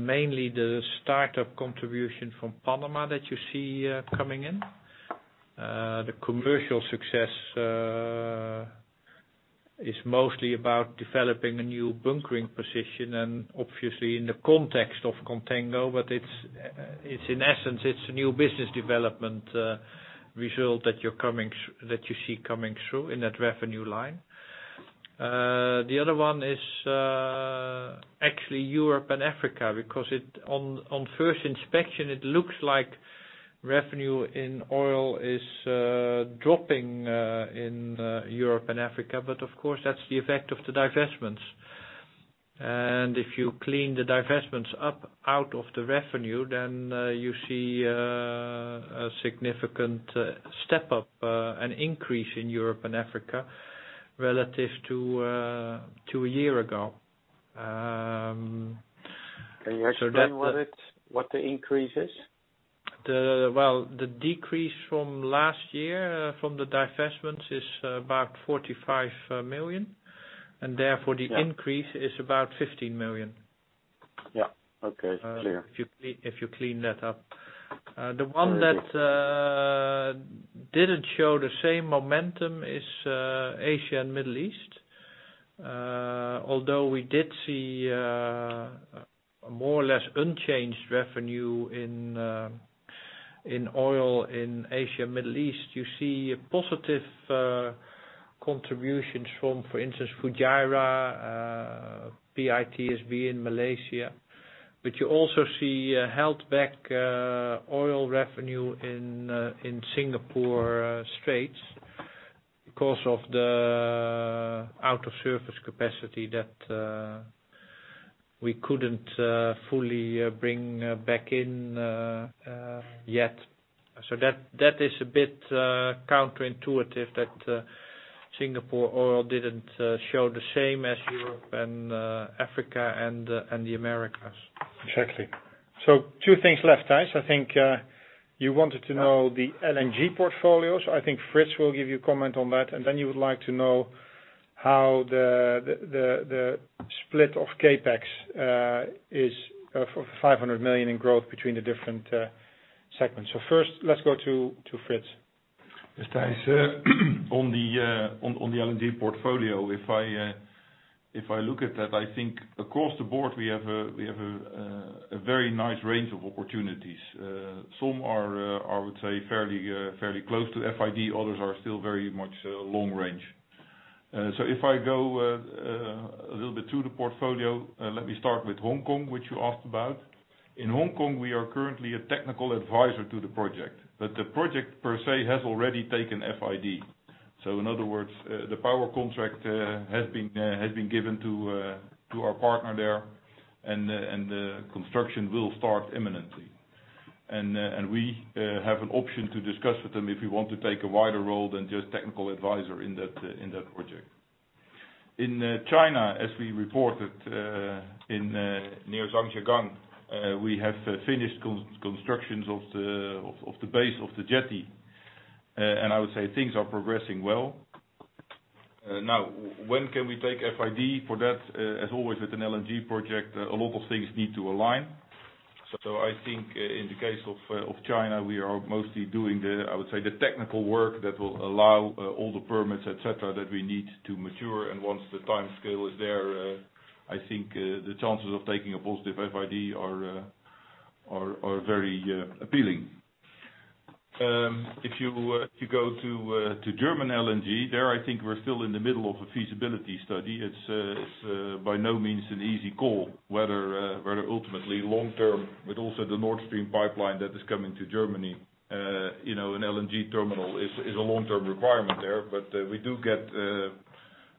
mainly the startup contribution from Panama that you see coming in. The commercial success is mostly about developing a new bunkering position and obviously in the context of contango, but in essence, it's a new business development result that you see coming through in that revenue line. The other one is actually Europe and Africa, because on first inspection, it looks like revenue in oil is dropping in Europe and Africa. Of course, that's the effect of the divestments. If you clean the divestments up out of the revenue, then you see a significant step up, an increase in Europe and Africa relative to a year ago. Can you explain what the increase is? Well, the decrease from last year from the divestments is about 45 million, and therefore the increase is about 15 million. Yeah. Okay. Clear. If you clean that up. The one that didn't show the same momentum is Asia and Middle East. Although we did see a more or less unchanged revenue in oil in Asia and Middle East. You see positive contributions from, for instance, Fujairah, PITSB in Malaysia, but you also see a held back oil revenue in Singapore Straits because of the out-of-service capacity that we couldn't fully bring back in yet. That is a bit counterintuitive that Singapore oil didn't show the same as Europe and Africa and the Americas. Exactly. Two things left, Thijs. I think you wanted to know the LNG portfolio. I think Frits will give you a comment on that, and then you would like to know how the split of CapEx is for 500 million in growth between the different segments. First, let's go to Frits. Yes, Thijs. On the LNG portfolio, if I look at that, I think across the board, we have a very nice range of opportunities. Some are, I would say, fairly close to FID, others are still very much long range. If I go a little bit through the portfolio, let me start with Hong Kong, which you asked about. In Hong Kong, we are currently a technical advisor to the project, but the project per se has already taken FID. In other words, the power contract has been given to our partner there and the construction will start imminently. We have an option to discuss with them if we want to take a wider role than just technical advisor in that project. In China, as we reported near Zhangjiagang, we have finished constructions of the base, of the jetty. I would say things are progressing well. When can we take FID for that? As always with an LNG project, a lot of things need to align. I think in the case of China, we are mostly doing the, I would say, the technical work that will allow all the permits, et cetera, that we need to mature. Once the timescale is there, I think the chances of taking a positive FID are very appealing. If you go to German LNG, there I think we're still in the middle of a feasibility study. It's by no means an easy call whether ultimately long-term, but also the Nord Stream pipeline that is coming to Germany, an LNG terminal is a long-term requirement there. We do get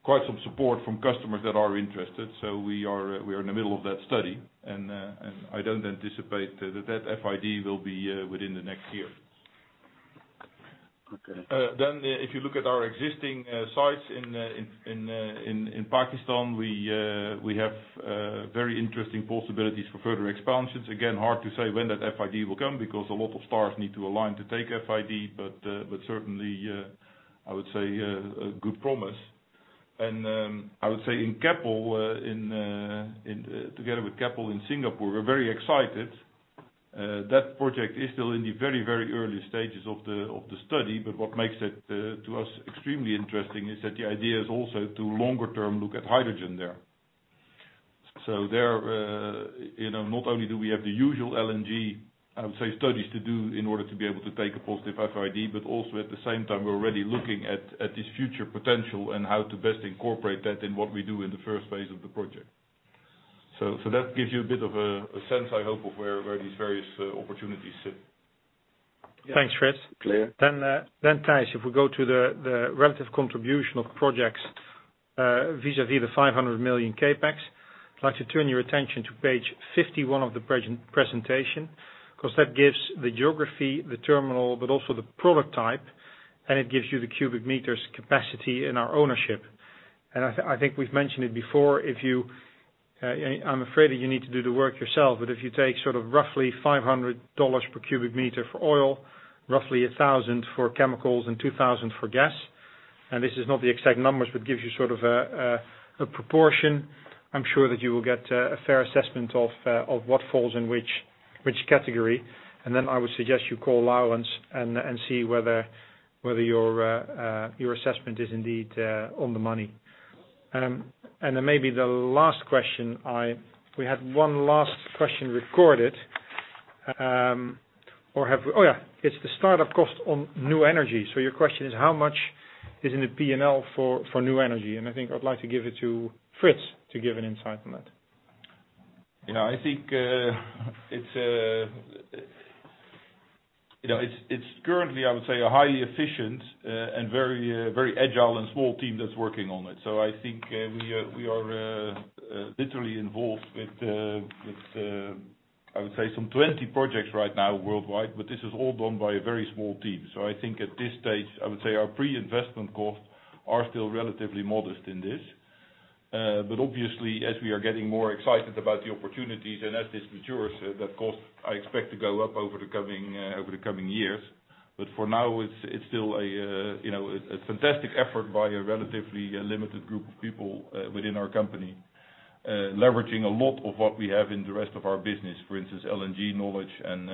quite some support from customers that are interested. We are in the middle of that study. I don't anticipate that that FID will be within the next year. Okay. If you look at our existing sites in Pakistan, we have very interesting possibilities for further expansions. Again, hard to say when that FID will come because a lot of stars need to align to take FID. Certainly, I would say, a good promise. I would say in Keppel, together with Keppel in Singapore, we're very excited. That project is still in the very early stages of the study, but what makes it to us extremely interesting is that the idea is also to longer term look at hydrogen there. There, not only do we have the usual LNG, I would say, studies to do in order to be able to take a positive FID, but also at the same time, we're already looking at this future potential and how to best incorporate that in what we do in the first phase of the project. That gives you a bit of a sense, I hope, of where these various opportunities sit. Thanks, Frits. Clear. Thijs, if we go to the relative contribution of projects vis-à-vis the 500 million CapEx, I'd like to turn your attention to page 51 of the presentation, because that gives the geography, the terminal, but also the product type. It gives you the cubic meters capacity in our ownership. I think we've mentioned it before, I'm afraid that you need to do the work yourself, but if you take roughly EUR 500 per cubic meter for oil, roughly 1,000 for chemicals and 2,000 for gas, this is not the exact numbers, but gives you a proportion. I'm sure that you will get a fair assessment of what falls in which category. Then I would suggest you call Laurens and see whether your assessment is indeed on the money. Then maybe the last question. We had one last question recorded. Yeah, it's the start of cost on new energy. Your question is how much is in the P&L for new energy? I think I would like to give it to Frits to give an insight on that. I think it's currently, I would say, a highly efficient and very agile and small team that's working on it. I think we are literally involved with, I would say some 20 projects right now worldwide, but this is all done by a very small team. I think at this stage, I would say our pre-investment costs are still relatively modest in this. Obviously, as we are getting more excited about the opportunities and as this matures, that cost, I expect to go up over the coming years. For now, it's still a fantastic effort by a relatively limited group of people within our company, leveraging a lot of what we have in the rest of our business, for instance, LNG knowledge and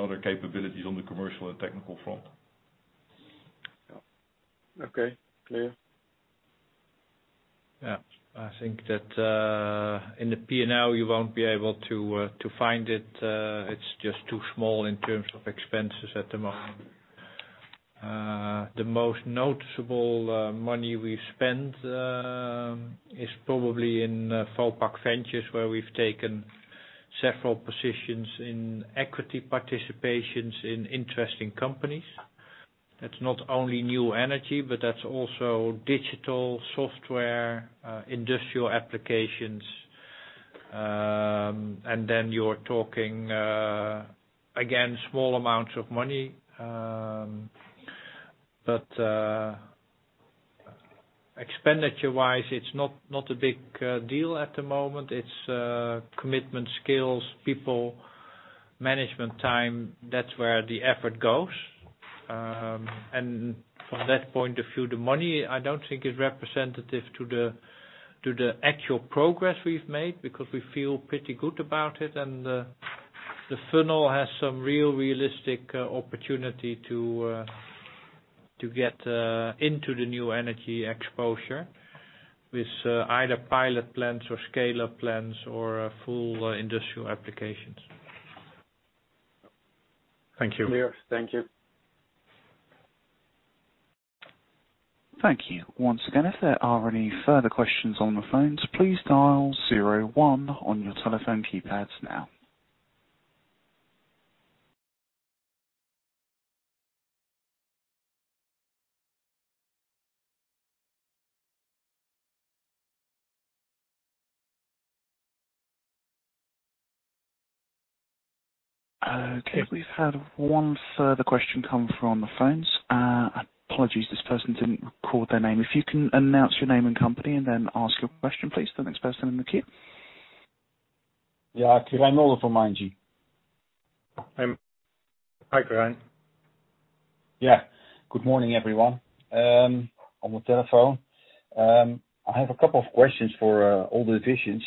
other capabilities on the commercial and technical front. Okay, clear. I think that in the P&L, you won't be able to find it. It's just too small in terms of expenses at the moment. The most noticeable money we've spent is probably in Vopak Ventures, where we've taken several positions in equity participations in interesting companies. That's not only new energy, but that's also digital software, industrial applications. You're talking, again, small amounts of money. Expenditure-wise, it's not a big deal at the moment. It's commitment, skills, people, management time. That's where the effort goes. From that point of view, the money, I don't think is representative to the actual progress we've made because we feel pretty good about it. The funnel has some real realistic opportunity to get into the new energy exposure with either pilot plants or scale-up plants or full industrial applications. Clear. Thank you. Thank you. Once again, if there are any further questions on the phones, please dial zero one on your telephone keypads now. Okay, we've had one further question come from the phones. Apologies, this person didn't record their name. If you can announce your name and company and then ask your question, please. The next person in the queue. Yeah, Keren Rolla from ING. Hi, Keren. Good morning, everyone. On the telephone. I have a couple of questions for all the divisions.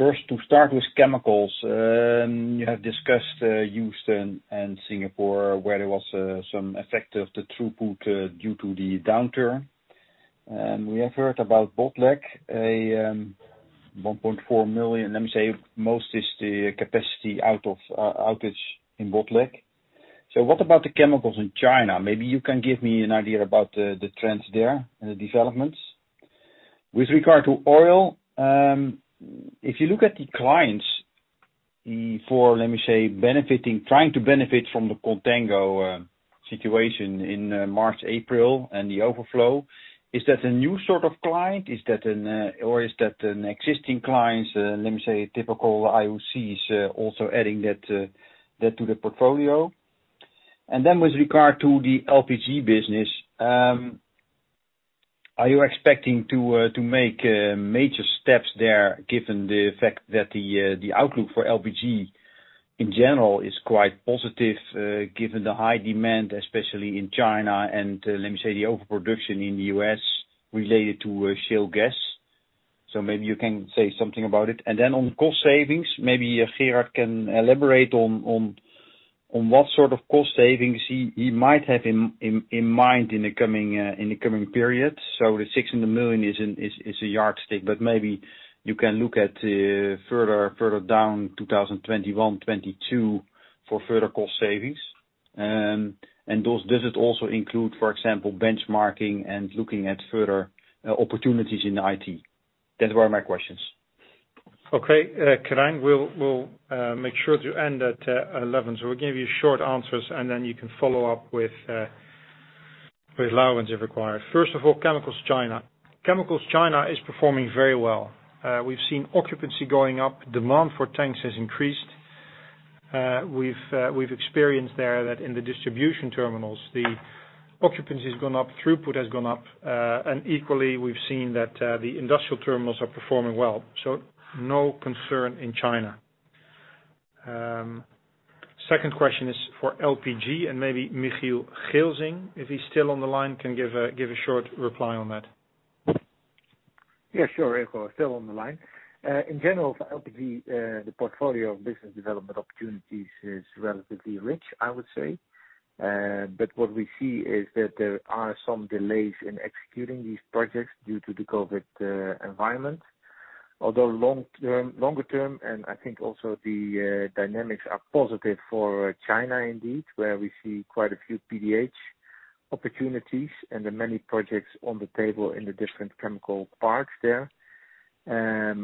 First, to start with chemicals. You have discussed Houston and Singapore, where there was some effect of the throughput due to the downturn. We have heard about Botlek, 1.4 million, let me say, most is the capacity outage in Botlek. What about the chemicals in China? Maybe you can give me an idea about the trends there and the developments. With regard to oil, if you look at the clients for, let me say, trying to benefit from the contango situation in March, April, and the overflow, is that a new sort of client, or is that an existing client, let me say, typical IOCs also adding that to the portfolio? Then with regard to the LPG business, are you expecting to make major steps there, given the fact that the outlook for LPG in general is quite positive, given the high demand, especially in China and, let me say, the overproduction in the U.S. related to shale gas? Maybe you can say something about it. Then on cost savings, maybe Gerard can elaborate on what sort of cost savings he might have in mind in the coming period. The 600 million is a yardstick, but maybe you can look at further down 2021, 2022 for further cost savings. Does it also include, for example, benchmarking and looking at further opportunities in IT? Those were my questions. Okay. Keren, we'll make sure to end at 11:00, so we'll give you short answers, and then you can follow up with Eulderink if required. First of all, Chemicals China. Chemicals China is performing very well. We've seen occupancy going up, demand for tanks has increased. We've experienced there that in the distribution terminals, the occupancy has gone up, throughput has gone up, and equally, we've seen that the industrial terminals are performing well. No concern in China. Second question is for LPG, and maybe Michiel Gilsing, if he's still on the line, can give a short reply on that. Yeah, sure. Eelco, still on the line. In general, for LPG, the portfolio of business development opportunities is relatively rich, I would say. What we see is that there are some delays in executing these projects due to the COVID-19 environment. Although longer term, and I think also the dynamics are positive for China indeed, where we see quite a few PDH opportunities and the many projects on the table in the different chemical parks there.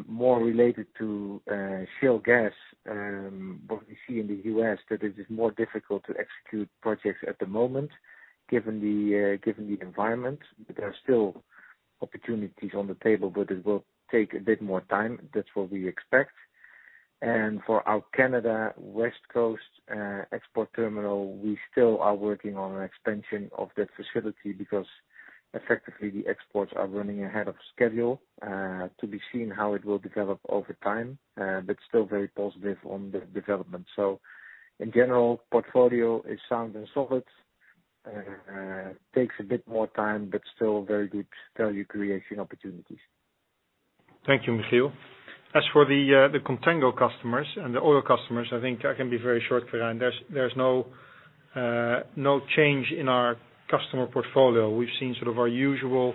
More related to shale gas, what we see in the U.S. that it is more difficult to execute projects at the moment, given the environment. There are still opportunities on the table, but it will take a bit more time. That's what we expect. For our Canada West Coast export terminal, we still are working on an expansion of that facility because effectively the exports are running ahead of schedule, to be seen how it will develop over time. Still very positive on the development. In general, portfolio is sound and solid. Takes a bit more time. Still very good value creation opportunities. Thank you, Michiel. As for the contango customers and the oil customers, I think I can be very short for that. There's no change in our customer portfolio. We've seen sort of our usual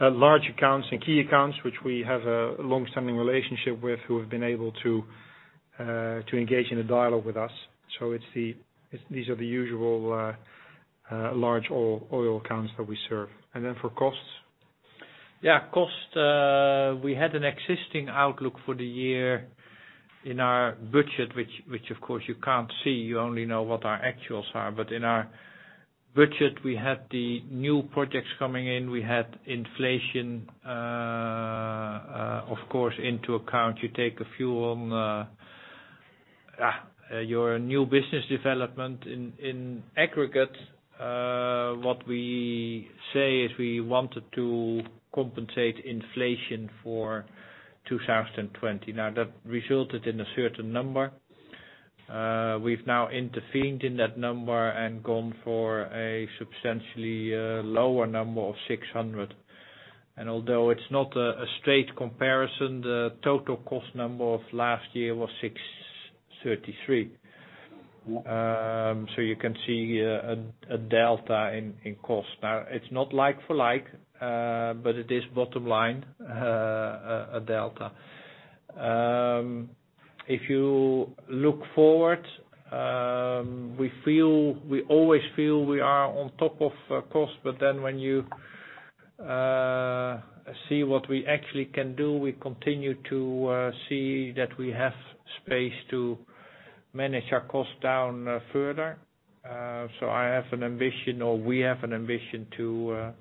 large accounts and key accounts, which we have a long-standing relationship with, who have been able to engage in a dialogue with us. These are the usual large oil accounts that we serve. For costs. Yeah, cost. We had an existing outlook for the year in our budget, which of course you can't see. You only know what our actuals are. In our budget, we had the new projects coming in. We had inflation, of course, into account. You take a few on your new business development. In aggregate, what we say is we wanted to compensate inflation for 2020. Now that resulted in a certain number. We've now intervened in that number and gone for a substantially lower number of 600. Although it's not a straight comparison, the total cost number of last year was 633. You can see a delta in cost. Now, it's not like for like, but it is bottom line, a delta. If you look forward, we always feel we are on top of cost, but then when you see what we actually can do, we continue to see that we have space to manage our cost down further. I have an ambition, or we have an ambition to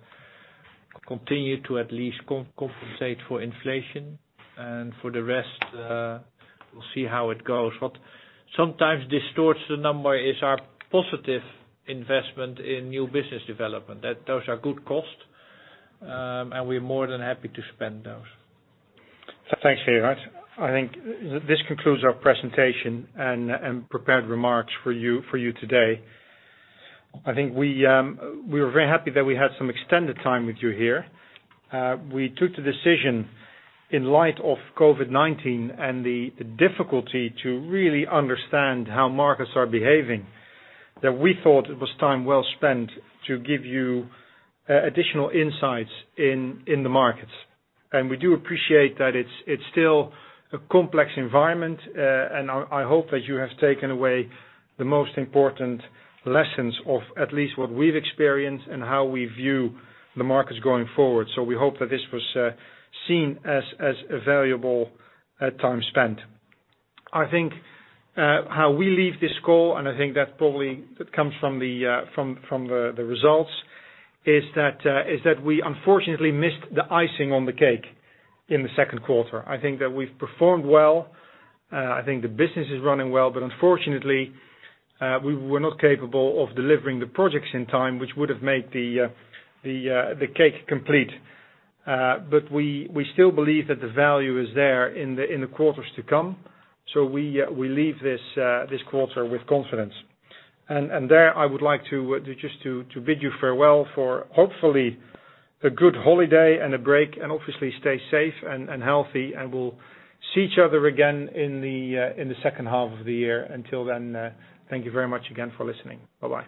continue to at least compensate for inflation. For the rest, we'll see how it goes. What sometimes distorts the number is our positive investment in new business development. Those are good costs, and we're more than happy to spend those. Thanks, Gerard. I think this concludes our presentation and prepared remarks for you today. I think we were very happy that we had some extended time with you here. We took the decision in light of COVID-19 and the difficulty to really understand how markets are behaving, that we thought it was time well spent to give you additional insights in the markets. We do appreciate that it's still a complex environment, and I hope that you have taken away the most important lessons of at least what we've experienced and how we view the markets going forward. We hope that this was seen as a valuable time spent. I think how we leave this call, and I think that probably comes from the results, is that we unfortunately missed the icing on the cake in the second quarter. I think that we've performed well. I think the business is running well, but unfortunately, we were not capable of delivering the projects in time, which would have made the cake complete. We still believe that the value is there in the quarters to come. We leave this quarter with confidence. There, I would like just to bid you farewell for hopefully a good holiday and a break, and obviously stay safe and healthy, and we'll see each other again in the second half of the year. Until then, thank you very much again for listening. Bye-bye.